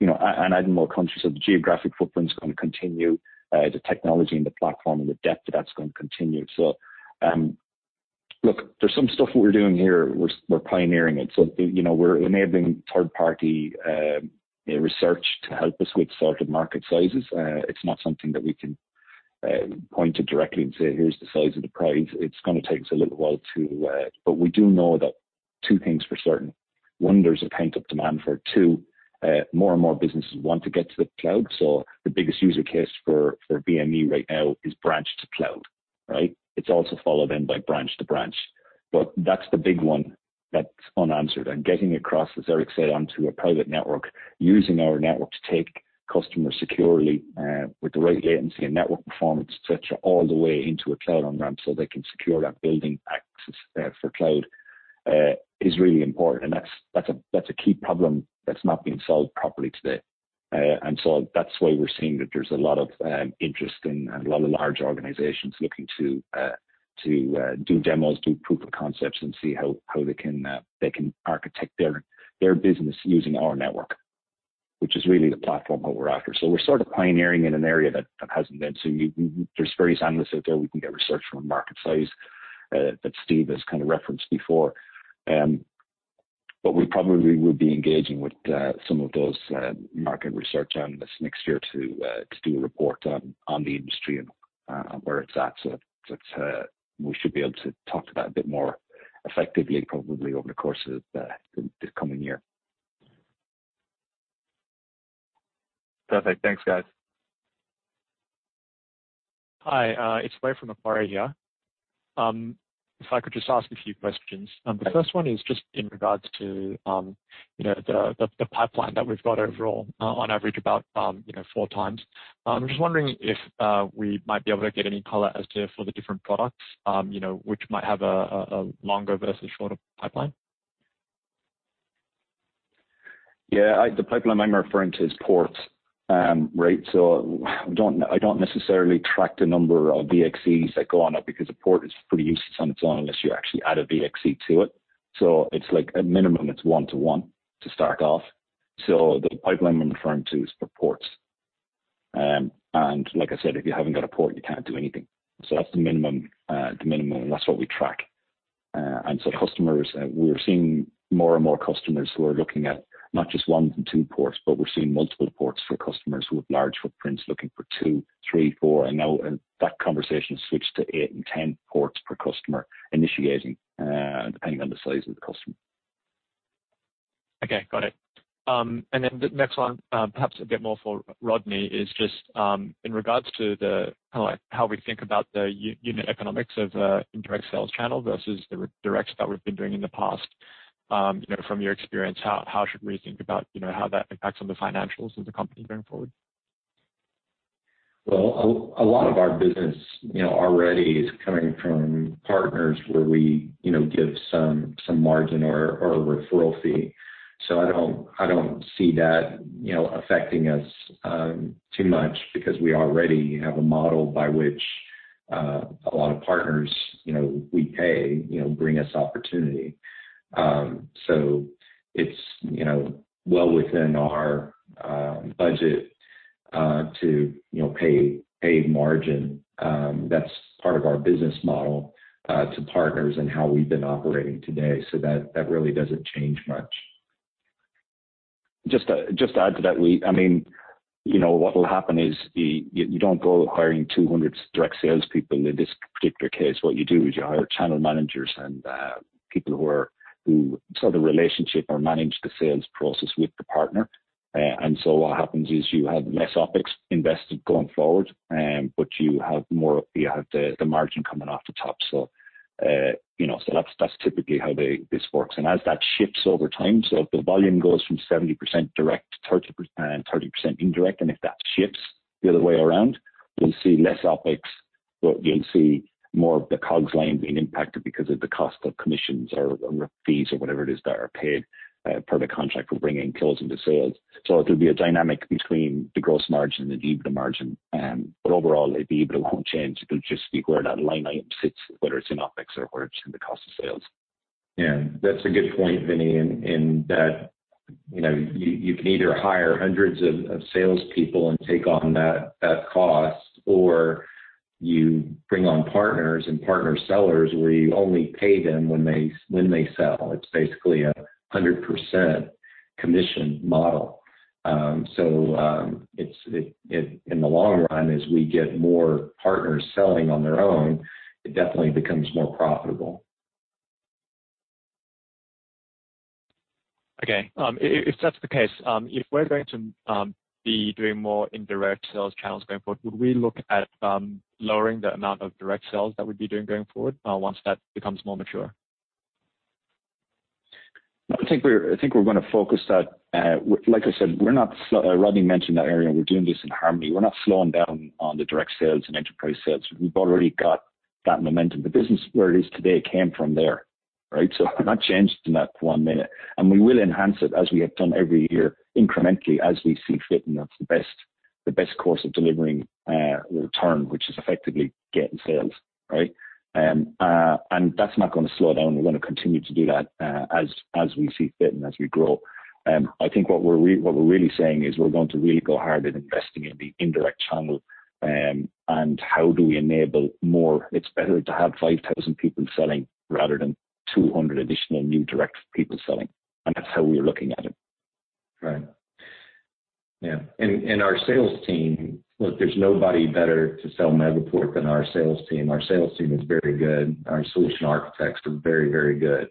Adding more countries, so the geographic footprint's going to continue. The technology and the platform and the depth of that's going to continue. Look, there's some stuff that we're doing here, we're pioneering it. We're enabling third-party research to help us with sort of market sizes. It's not something that we can point to directly and say, "Here's the size of the prize." We do know that two things for certain. One, there's a pent-up demand for it. Two, more and more businesses want to get to the cloud. The biggest user case for MVE right now is branch to cloud. Right? It's also followed in by branch to branch. That's the big one that's unanswered. Getting across, as Eric said, onto a private network, using our network to take customers securely with the right latency and network performance, et cetera, all the way into a cloud on-ramp so they can secure that building access for cloud, is really important. That's a key problem that's not being solved properly today. That's why we're seeing that there's a lot of interest and a lot of large organizations looking to do demos, do proof of concepts, and see how they can architect their business using our network. Which is really the platform that we're after. We're sort of pioneering in an area that hasn't been. There's various analysts out there. We can get research from market size that Steve has kind of referenced before. We probably will be engaging with some of those market research analysts next year to do a report on the industry and where it's at. We should be able to talk to that a bit more effectively, probably over the course of the coming year. Perfect. Thanks, guys. Hi, it's [adio distortion] from Macquarie here. If I could just ask a few questions. The first one is just in regards to the pipeline that we've got overall, on average about four times. I'm just wondering if we might be able to get any color as to, for the different products which might have a longer versus shorter pipeline. Yeah. The pipeline I'm referring to is ports. I don't necessarily track the number of VXCs that go on it, because a port is pretty useless on its own unless you actually add a VXC to it. At minimum, it's one to one to start off. The pipeline I'm referring to is for ports. Like I said, if you haven't got a port, you can't do anything. That's the minimum, and that's what we track. Customers, we're seeing more and more customers who are looking at not just one and two ports, but we're seeing multiple ports for customers who have large footprints looking for two, three, four, and now that conversation has switched to eight and 10 ports per customer initiating, depending on the size of the customer. Okay. Got it. The next one, perhaps a bit more for Rodney, is just in regards to the kind of like how we think about the unit economics of the indirect sales channel versus the direct that we've been doing in the past. From your experience, how should we think about how that impacts on the financials of the company going forward? A lot of our business already is coming from partners where we give some margin or a referral fee. I don't see that affecting us too much because we already have a model by which a lot of partners we pay bring us opportunity. It's well within our budget to pay margin. That's part of our business model to partners and how we've been operating today. That really doesn't change much. Just to add to that, what will happen is you don't go hiring 200 direct salespeople in this particular case. What you do is you hire channel managers and people who sort the relationship or manage the sales process with the partner. What happens is you have less OpEx invested going forward, but you have the margin coming off the top. That's typically how this works. As that shifts over time, if the volume goes from 70% direct to 30% indirect, and if that shifts the other way around, you'll see less OpEx, but you'll see more of the COGS line being impacted because of the cost of commissions or fees or whatever it is that are paid per the contract for bringing closing the sales. There'll be a dynamic between the gross margin and the EBITDA margin. Overall, the EBITDA won't change. It'll just be where that line item sits, whether it's in OpEx or whether it's in the cost of sales. Yeah, that's a good point, Vinnie, in that you can either hire hundreds of salespeople and take on that cost, or you bring on partners and partner sellers where you only pay them when they sell. It's basically a 100% commission model. In the long run, as we get more partners selling on their own, it definitely becomes more profitable. Okay. If that's the case, if we're going to be doing more indirect sales channels going forward, would we look at lowering the amount of direct sales that we'd be doing going forward once that becomes more mature? I think we're going to focus that. Like I said, Rodney mentioned that area, we're doing this in harmony. We're not slowing down on the direct sales and enterprise sales. We've already got that momentum. The business where it is today came from there. Right? We're not changing that one minute. We will enhance it as we have done every year incrementally as we see fit, and that's the best course of delivering return, which is effectively getting sales. Right? That's not going to slow down. We're going to continue to do that as we see fit and as we grow. I think what we're really saying is we're going to really go hard at investing in the indirect channel, and how do we enable more. It's better to have 5,000 people selling rather than 200 additional new direct people selling. That's how we're looking at it. Right. Yeah. Our sales team, look, there's nobody better to sell Megaport than our sales team. Our sales team is very good. Our solution architects are very good.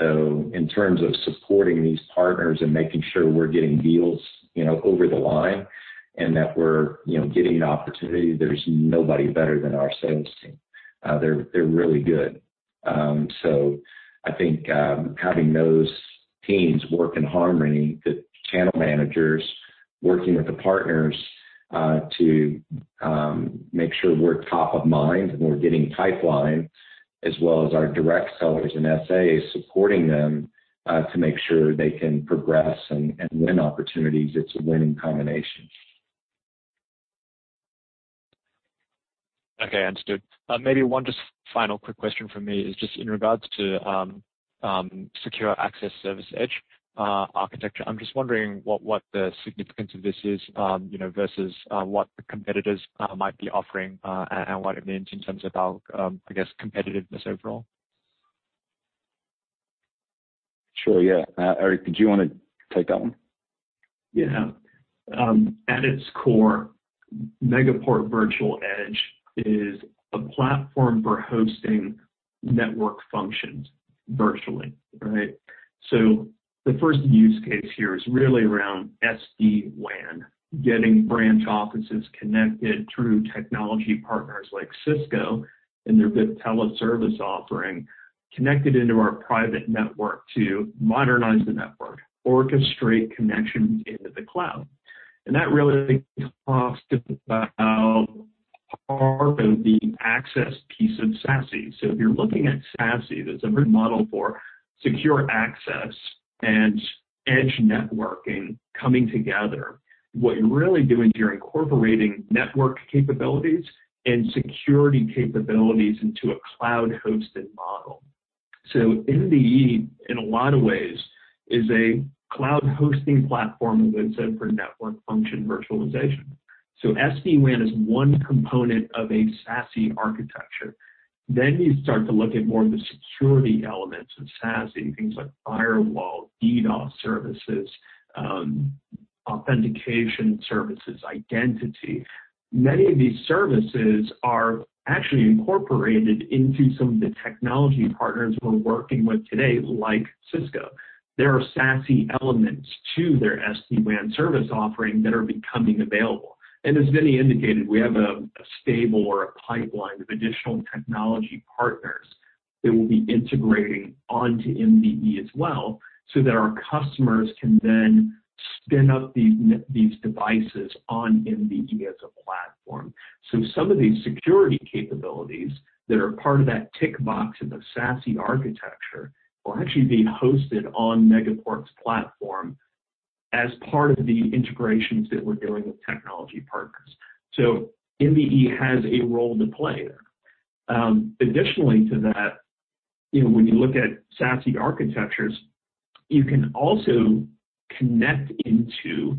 In terms of supporting these partners and making sure we're getting deals over the line and that we're getting an opportunity, there's nobody better than our sales team. They're really good. I think having those teams work in harmony, the channel managers working with the partners to make sure we're top of mind and we're getting pipeline as well as our direct sellers and SAs supporting them to make sure they can progress and win opportunities, it's a winning combination. Okay. Understood. Maybe one just final quick question from me is just in regards to Secure Access Service Edge architecture. I'm just wondering what the significance of this is versus what the competitors might be offering and what it means in terms of our competitiveness overall. Sure, yeah. Eric, did you want to take that one? At its core, Megaport Virtual Edge is a platform for hosting network functions virtually. The first use case here is really around SD-WAN, getting branch offices connected through technology partners like Cisco and their Viptela service offering, connected into our private network to modernize the network, orchestrate connections into the cloud. That really talks about part of the access piece of SASE. If you're looking at SASE, there's a model for secure access and edge networking coming together. What you're really doing, you're incorporating network capabilities and security capabilities into a cloud-hosted model. MVE, in a lot of ways, is a cloud hosting platform, as I said, for network function virtualization. SD-WAN is one component of a SASE architecture. You start to look at more of the security elements of SASE, things like firewall, DDoS services, authentication services, identity. Many of these services are actually incorporated into some of the technology partners we're working with today, like Cisco. There are SASE elements to their SD-WAN service offering that are becoming available. As Vinnie indicated, we have a stable or a pipeline of additional technology partners that will be integrating onto MVE as well, so that our customers can then spin up these devices on MVE as a platform. Some of these security capabilities that are part of that tick box in the SASE architecture are actually being hosted on Megaport's platform as part of the integrations that we're doing with technology partners. MVE has a role to play there. Additionally to that, when you look at SASE architectures, you can also connect into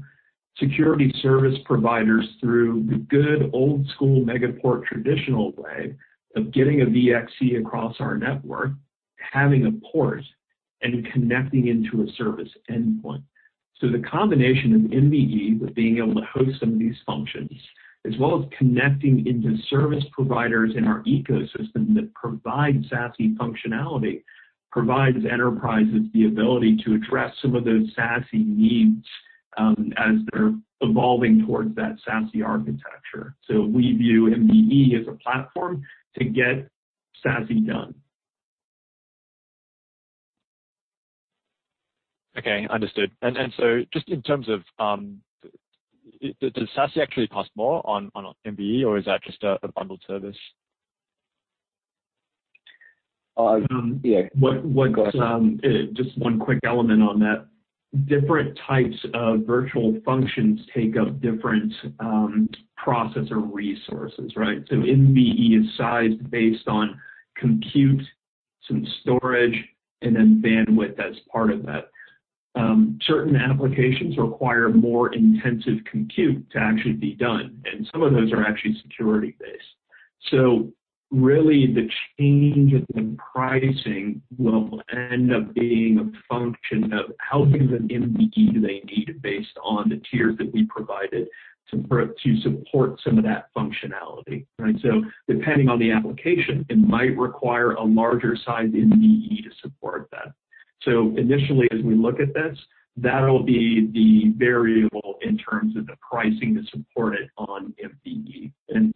security service providers through the good old school Megaport traditional way of getting a VXC across our network, having a port, and connecting into a service endpoint. The combination of MVE with being able to host some of these functions, as well as connecting into service providers in our ecosystem that provide SASE functionality, provides enterprises the ability to address some of those SASE needs, as they're evolving towards that SASE architecture. We view MVE as a platform to get SASE done. Okay, understood. Just in terms of, does SASE actually cost more on MVE, or is that just a bundled service? Yeah. Go ahead. Just one quick element on that. Different types of virtual functions take up different processor resources. MVE is sized based on compute, some storage, and then bandwidth as part of that. Certain applications require more intensive compute to actually be done, and some of those are actually security-based. Really the change in pricing will end up being a function of how big of an MVE do they need based on the tiers that we provided to support some of that functionality. Depending on the application, it might require a larger size MVE to support that. Initially, as we look at this, that'll be the variable in terms of the pricing to support it on MVE.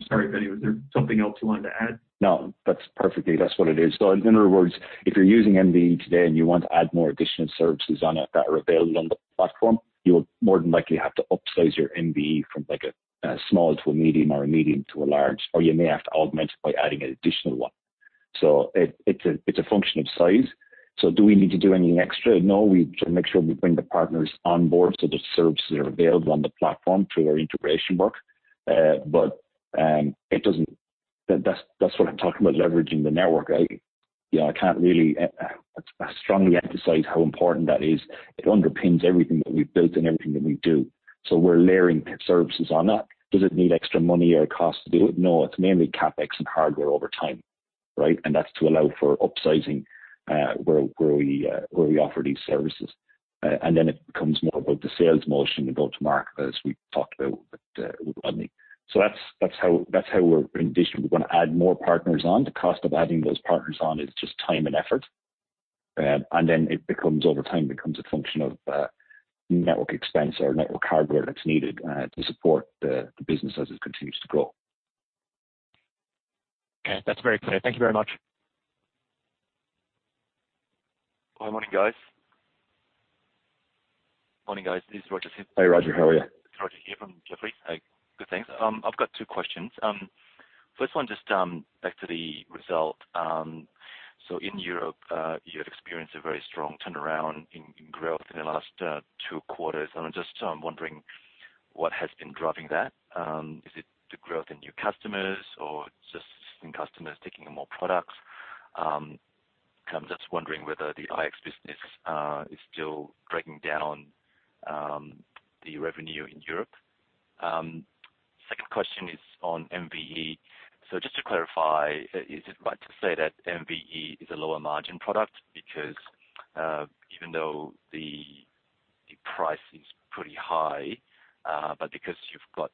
Sorry, Vinnie, was there something else you wanted to add? No, that's perfectly. That's what it is. In other words, if you're using MVE today and you want to add more additional services on it that are available on the platform, you'll more than likely have to upsize your MVE from a small to a medium or a medium to a large, or you may have to augment it by adding an additional one. It's a function of size. Do we need to do anything extra? No, we make sure we bring the partners on board, so the services are available on the platform through our integration work. That's what I'm talking about leveraging the network. I strongly emphasize how important that is. It underpins everything that we've built and everything that we do. We're layering services on that. Does it need extra money or cost to do it? It's mainly CapEx and hardware over time. That's to allow for upsizing, where we offer these services. It becomes more about the sales motion and go-to-market, as we talked about with Rodney. That's how in addition, we're going to add more partners on. The cost of adding those partners on is just time and effort. Over time, it becomes a function of network expense or network hardware that's needed to support the business as it continues to grow. Okay. That's very clear. Thank you very much. Hi. Morning, guys. This is Roger Samuel. Hey, Roger. How are you? It's Roger here from Jefferies. Good, thanks. I've got two questions. First one, just back to the result. In Europe, you had experienced a very strong turnaround in growth in the last two quarters, and I'm just wondering what has been driving that. Is it the growth in new customers or just existing customers taking on more products? I'm just wondering whether the IX business is still dragging down the revenue in Europe. Second question is on MVE. Just to clarify, is it right to say that MVE is a lower margin product? Even though the price is pretty high, but because you've got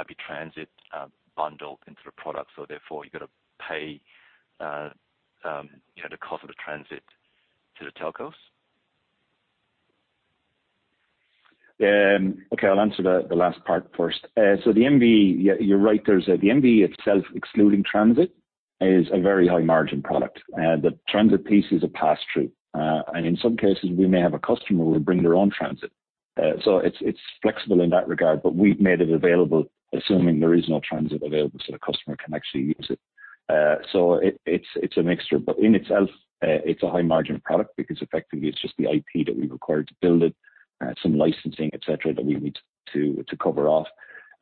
IP transit bundled into the product, so therefore you've got to pay the cost of the transit to the telcos? Okay, I'll answer the last part first. The MVE, you're right. The MVE itself, excluding transit, is a very high-margin product. The transit piece is a pass-through. In some cases, we may have a customer who will bring their own transit. It's flexible in that regard, but we've made it available, assuming there is no transit available, so the customer can actually use it. It's a mixture, but in itself, it's a high-margin product because effectively it's just the IP that we require to build it, some licensing, et cetera, that we need to cover off.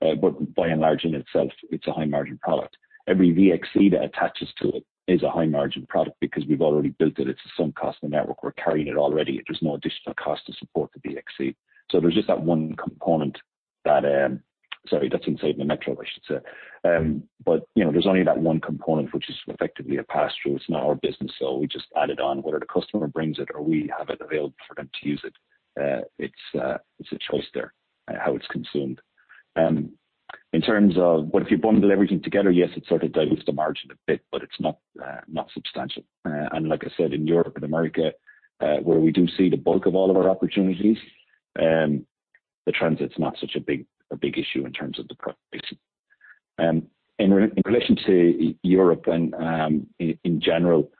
By and large, in itself, it's a high-margin product. Every VXC that attaches to it is a high-margin product because we've already built it. It's some customer network. We're carrying it already. There's no additional cost to support the VXC. There's just that one component. Sorry, that's inside the Metro, I should say. There's only that one component which is effectively a pass-through. It's not our business, so we just add it on whether the customer brings it or we have it available for them to use it. It's a choice there, how it's consumed. In terms of what if you bundle everything together, yes, it sort of dilutes the margin a bit, but it's not substantial. Like I said, in Europe and America, where we do see the bulk of all of our opportunities, the transit's not such a big issue in terms of the pricing. In relation to Europe and in general,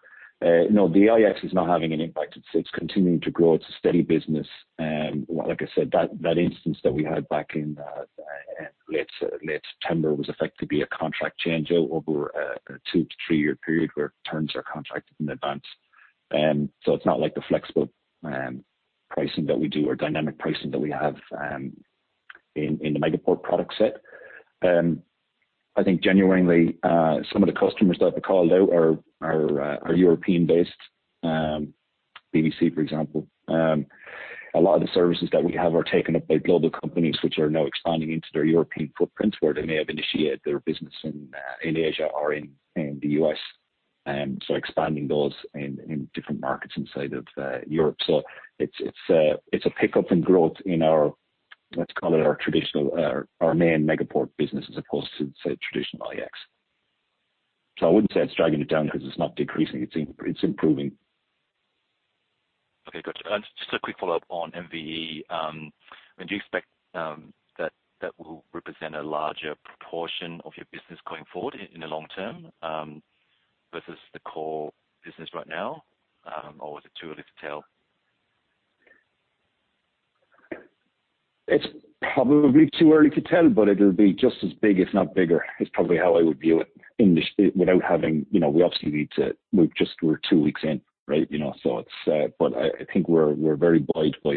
no, the IX is not having an impact. It's continuing to grow. It's a steady business. Like I said, that instance that we had back in late September was effectively a contract change over a two to three-year period where terms are contracted in advance. It's not like the flexible pricing that we do or dynamic pricing that we have in the Megaport product set. I think genuinely, some of the customers that have called out are European-based, BBC, for example. A lot of the services that we have are taken up by global companies, which are now expanding into their European footprints, where they may have initiated their business in Asia or in the U.S. Expanding those in different markets inside of Europe. It's a pickup in growth in our, let's call it our traditional, our main Megaport business, as opposed to, say, traditional IX. I wouldn't say it's dragging it down because it's not decreasing. It's improving. Okay, got you. Just a quick follow-up on MVE. When do you expect that will represent a larger proportion of your business going forward in the long term versus the core business right now? Is it too early to tell? It's probably too early to tell, but it'll be just as big, if not bigger, is probably how I would view it. We obviously need to. We're two weeks in, right? I think we're very buoyed by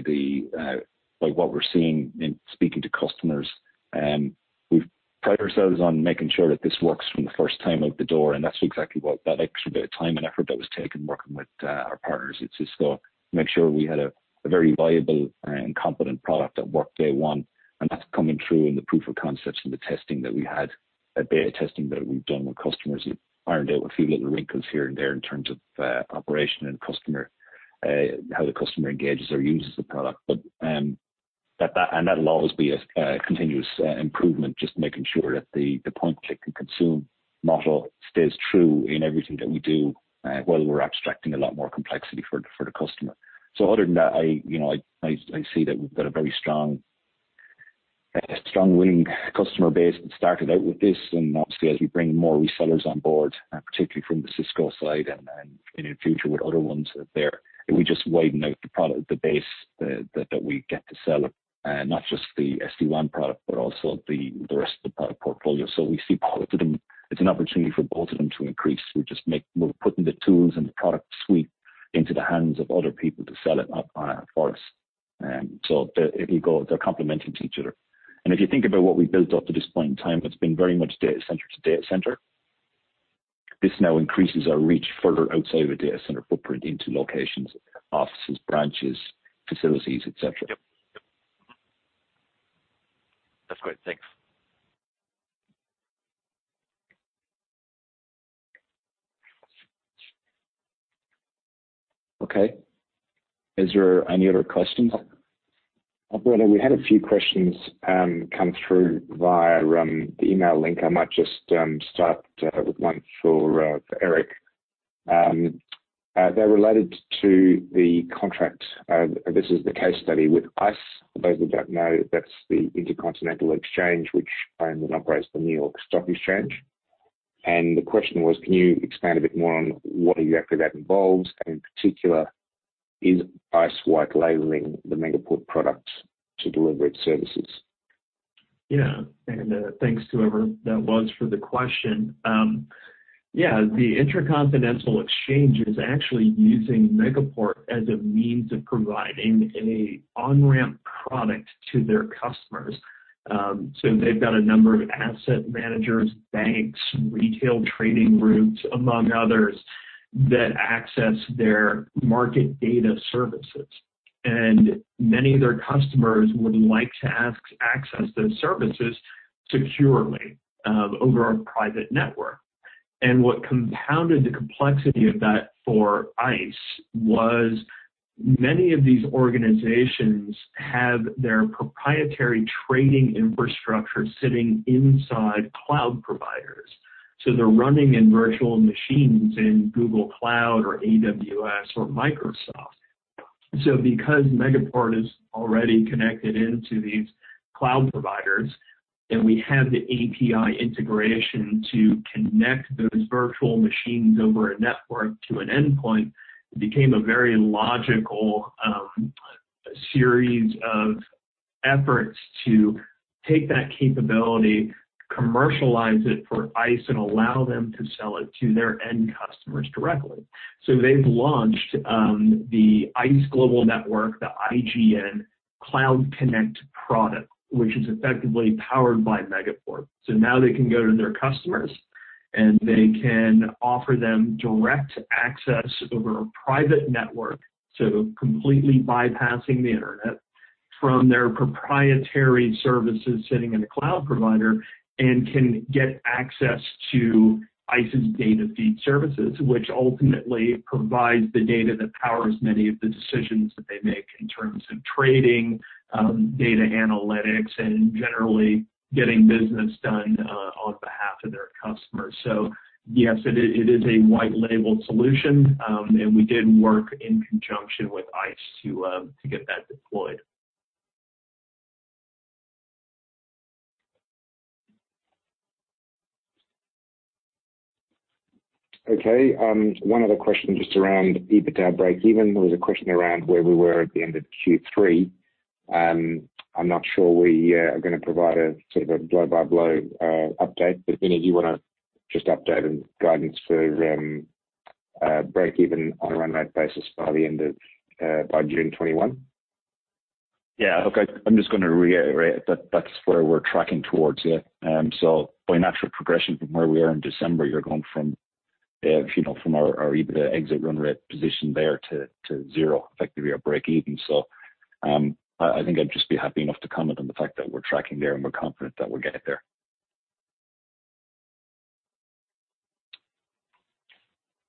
what we're seeing in speaking to customers. We pride ourselves on making sure that this works from the first time out the door. That's exactly what that extra bit of time and effort that was taken working with our partners. It's just to make sure we had a very viable and competent product that worked day one. That's coming through in the proof of concepts and the testing that we had, beta testing that we've done with customers. We've ironed out a few little wrinkles here and there in terms of operation and how the customer engages or uses the product. That'll always be a continuous improvement, just making sure that the point, click, and consume model stays true in everything that we do while we're abstracting a lot more complexity for the customer. Other than that, I see that we've got a very strong winning customer base that started out with this, and obviously as we bring more resellers on board, particularly from the Cisco and in future with other ones there, and we just widen out the base that we get to sell, not just the SD-WAN, but also the rest of the product portfolio. It's an opportunity for both of them to increase. We're putting the tools and the product suite into the hands of other people to sell it for us. They're complementing each other. If you think about what we've built up to this point in time, it's been very much data center to data center. This now increases our reach further outside of a data center footprint into locations, offices, branches, facilities, et cetera. Yep. That's great. Thanks. Okay. Is there any other questions? Operator, we had a few questions come through via the email link. I might just start with one for Eric. They're related to the contract. This is the case study with ICE. For those that don't know, that's the Intercontinental Exchange, which owns and operates the New York Stock Exchange. The question was, can you expand a bit more on what exactly that involves? In particular, is ICE white labeling the Megaport products to deliver its services? Yeah. Thanks to whoever that was for the question. The Intercontinental Exchange is actually using Megaport as a means of providing an on-ramp product to their customers. They've got a number of asset managers, banks, retail trading groups, among others, that access their market data services, and many of their customers would like to access those services securely over a private network. What compounded the complexity of that for ICE was many of these organizations have their proprietary trading infrastructure sitting inside cloud providers. They're running in virtual machines in Google Cloud or AWS or Microsoft. Because Megaport is already connected into these cloud providers, and we have the API integration to connect those virtual machines over a network to an endpoint. It became a very logical series of efforts to take that capability, commercialize it for ICE, and allow them to sell it to their end customers directly. They've launched the ICE Global Network, the IGN Cloud Connect product, which is effectively powered by Megaport. Now they can go to their customers, and they can offer them direct access over a private network, so completely bypassing the Internet, from their proprietary services sitting in a cloud provider, and can get access to ICE's data feed services, which ultimately provides the data that powers many of the decisions that they make in terms of trading, data analytics, and generally getting business done on behalf of their customers. Yes, it is a white label solution, and we did work in conjunction with ICE to get that deployed. Okay. One other question just around EBITDA breakeven. There was a question around where we were at the end of Q3. I'm not sure we are going to provide a sort of blow-by-blow update. Vinnie, do you want to just update on guidance for breakeven on a run rate basis by June 2021? Yeah. Look, I'm just going to reiterate that that's where we're tracking towards. By natural progression from where we are in December, you're going from our EBITDA exit run rate position there to zero, effectively a breakeven. I think I'd just be happy enough to comment on the fact that we're tracking there, and we're confident that we'll get it there.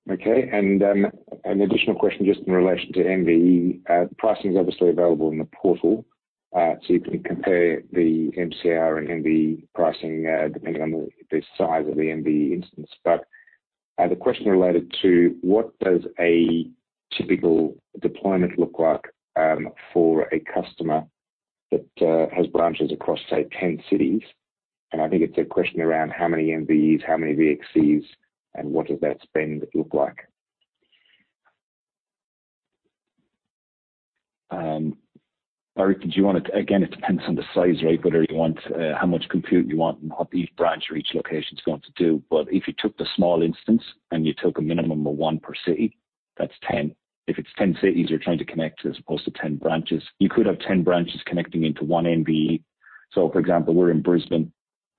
Okay. An additional question just in relation to MVE. Pricing is obviously available in the portal, so you can compare the MCR and MVE pricing depending on the size of the MVE instance. The question related to what does a typical deployment look like for a customer that has branches across, say, 10 cities. I think it's a question around how many MVEs, how many VXCs, and what does that spend look like? Eric, it depends on the size, right? How much compute you want and what each branch or each location's going to do. If you took the small instance and you took a minimum of one per city, that's 10. If it's 10 cities you're trying to connect as opposed to 10 branches, you could have 10 branches connecting into one MVE. For example, we're in Brisbane,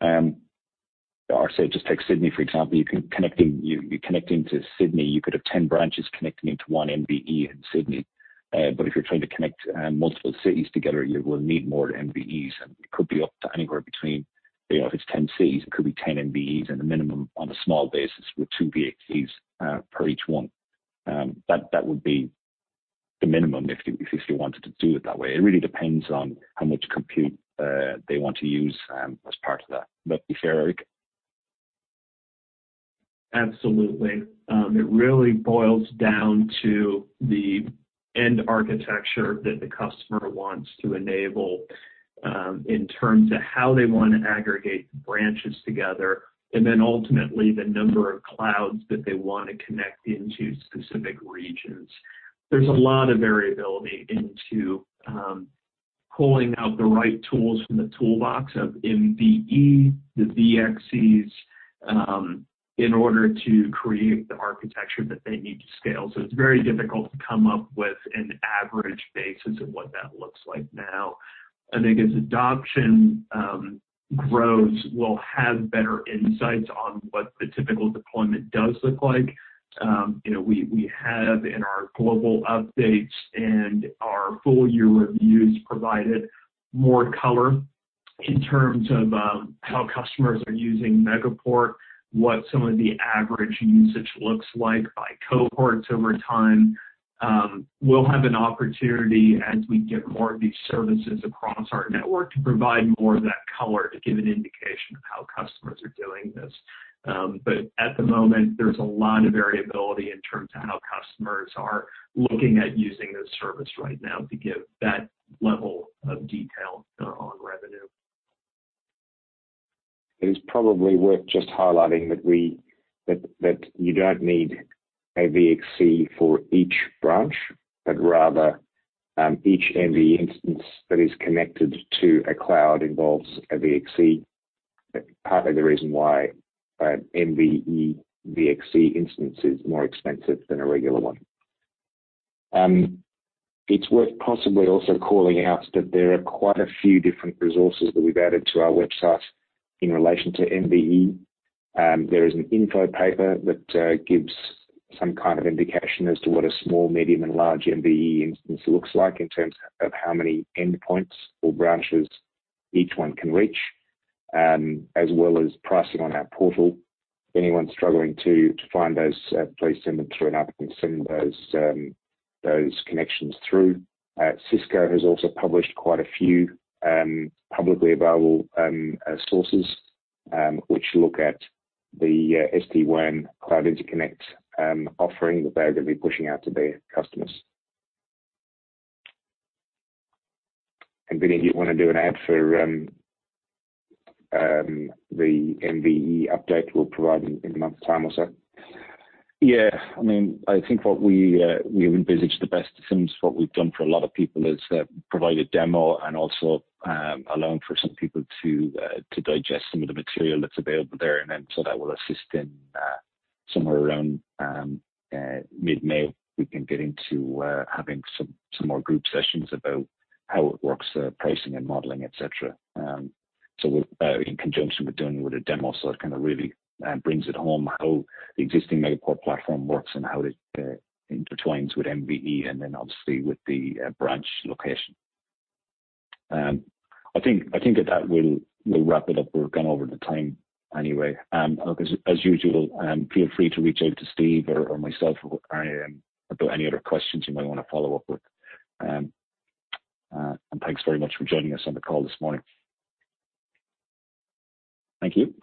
or, say, just take Sydney for example. You're connecting to Sydney. You could have 10 branches connecting into one MVE in Sydney. If you're trying to connect multiple cities together, you will need more MVEs, and it could be up to anywhere between, if it's 10 cities, it could be 10 MVEs at a minimum on a small basis with two VXCs per each one. That would be the minimum if you wanted to do it that way. It really depends on how much compute they want to use as part of that. Be fair, Eric? Absolutely. It really boils down to the end architecture that the customer wants to enable in terms of how they want to aggregate branches together, and then ultimately the number of clouds that they want to connect into specific regions. There's a lot of variability into pulling out the right tools from the toolbox of MVE, the VXCs, in order to create the architecture that they need to scale. It's very difficult to come up with an average basis of what that looks like now. As adoption grows, we'll have better insights on what the typical deployment does look like. We have in our global updates and our full-year reviews provided more color in terms of how customers are using Megaport, what some of the average usage looks like by cohorts over time. We'll have an opportunity as we get more of these services across our network to provide more of that color to give an indication of how customers are doing this. At the moment, there's a lot of variability in terms of how customers are looking at using this service right now to give that level of detail on revenue. It is probably worth just highlighting that you don't need a VXC for each branch, but rather, each MVE instance that is connected to a cloud involves a VXC. Partly the reason why an MVE VXC instance is more expensive than a regular one. It's worth possibly also calling out that there are quite a few different resources that we've added to our website in relation to MVE. There is an info paper that gives some kind of indication as to what a small, medium, and large MVE instance looks like in terms of how many endpoints or branches each one can reach, as well as pricing on our portal. Anyone struggling to find those, please send a through note, we can send those connections through. Cisco has also published quite a few publicly available sources, which look at the SD-WAN Cloud Interconnect offering that they're going to be pushing out to their customers. Vinnie, do you want to do an ad for the MVE update we'll provide in a month's time or so? Yeah. I think what we envisaged the best, since what we've done for a lot of people is provide a demo and also allowing for some people to digest some of the material that's available there and then. That will assist in somewhere around mid-May, we can get into having some more group sessions about how it works, pricing and modeling, et cetera. In conjunction with doing with a demo, so it kind of really brings it home how the existing Megaport platform works and how it intertwines with MVE and then obviously with the branch location. I think that that will wrap it up. We've gone over the time anyway. As usual, feel free to reach out to Steve or myself about any other questions you might want to follow up with. Thanks very much for joining us on the call this morning. Thank you.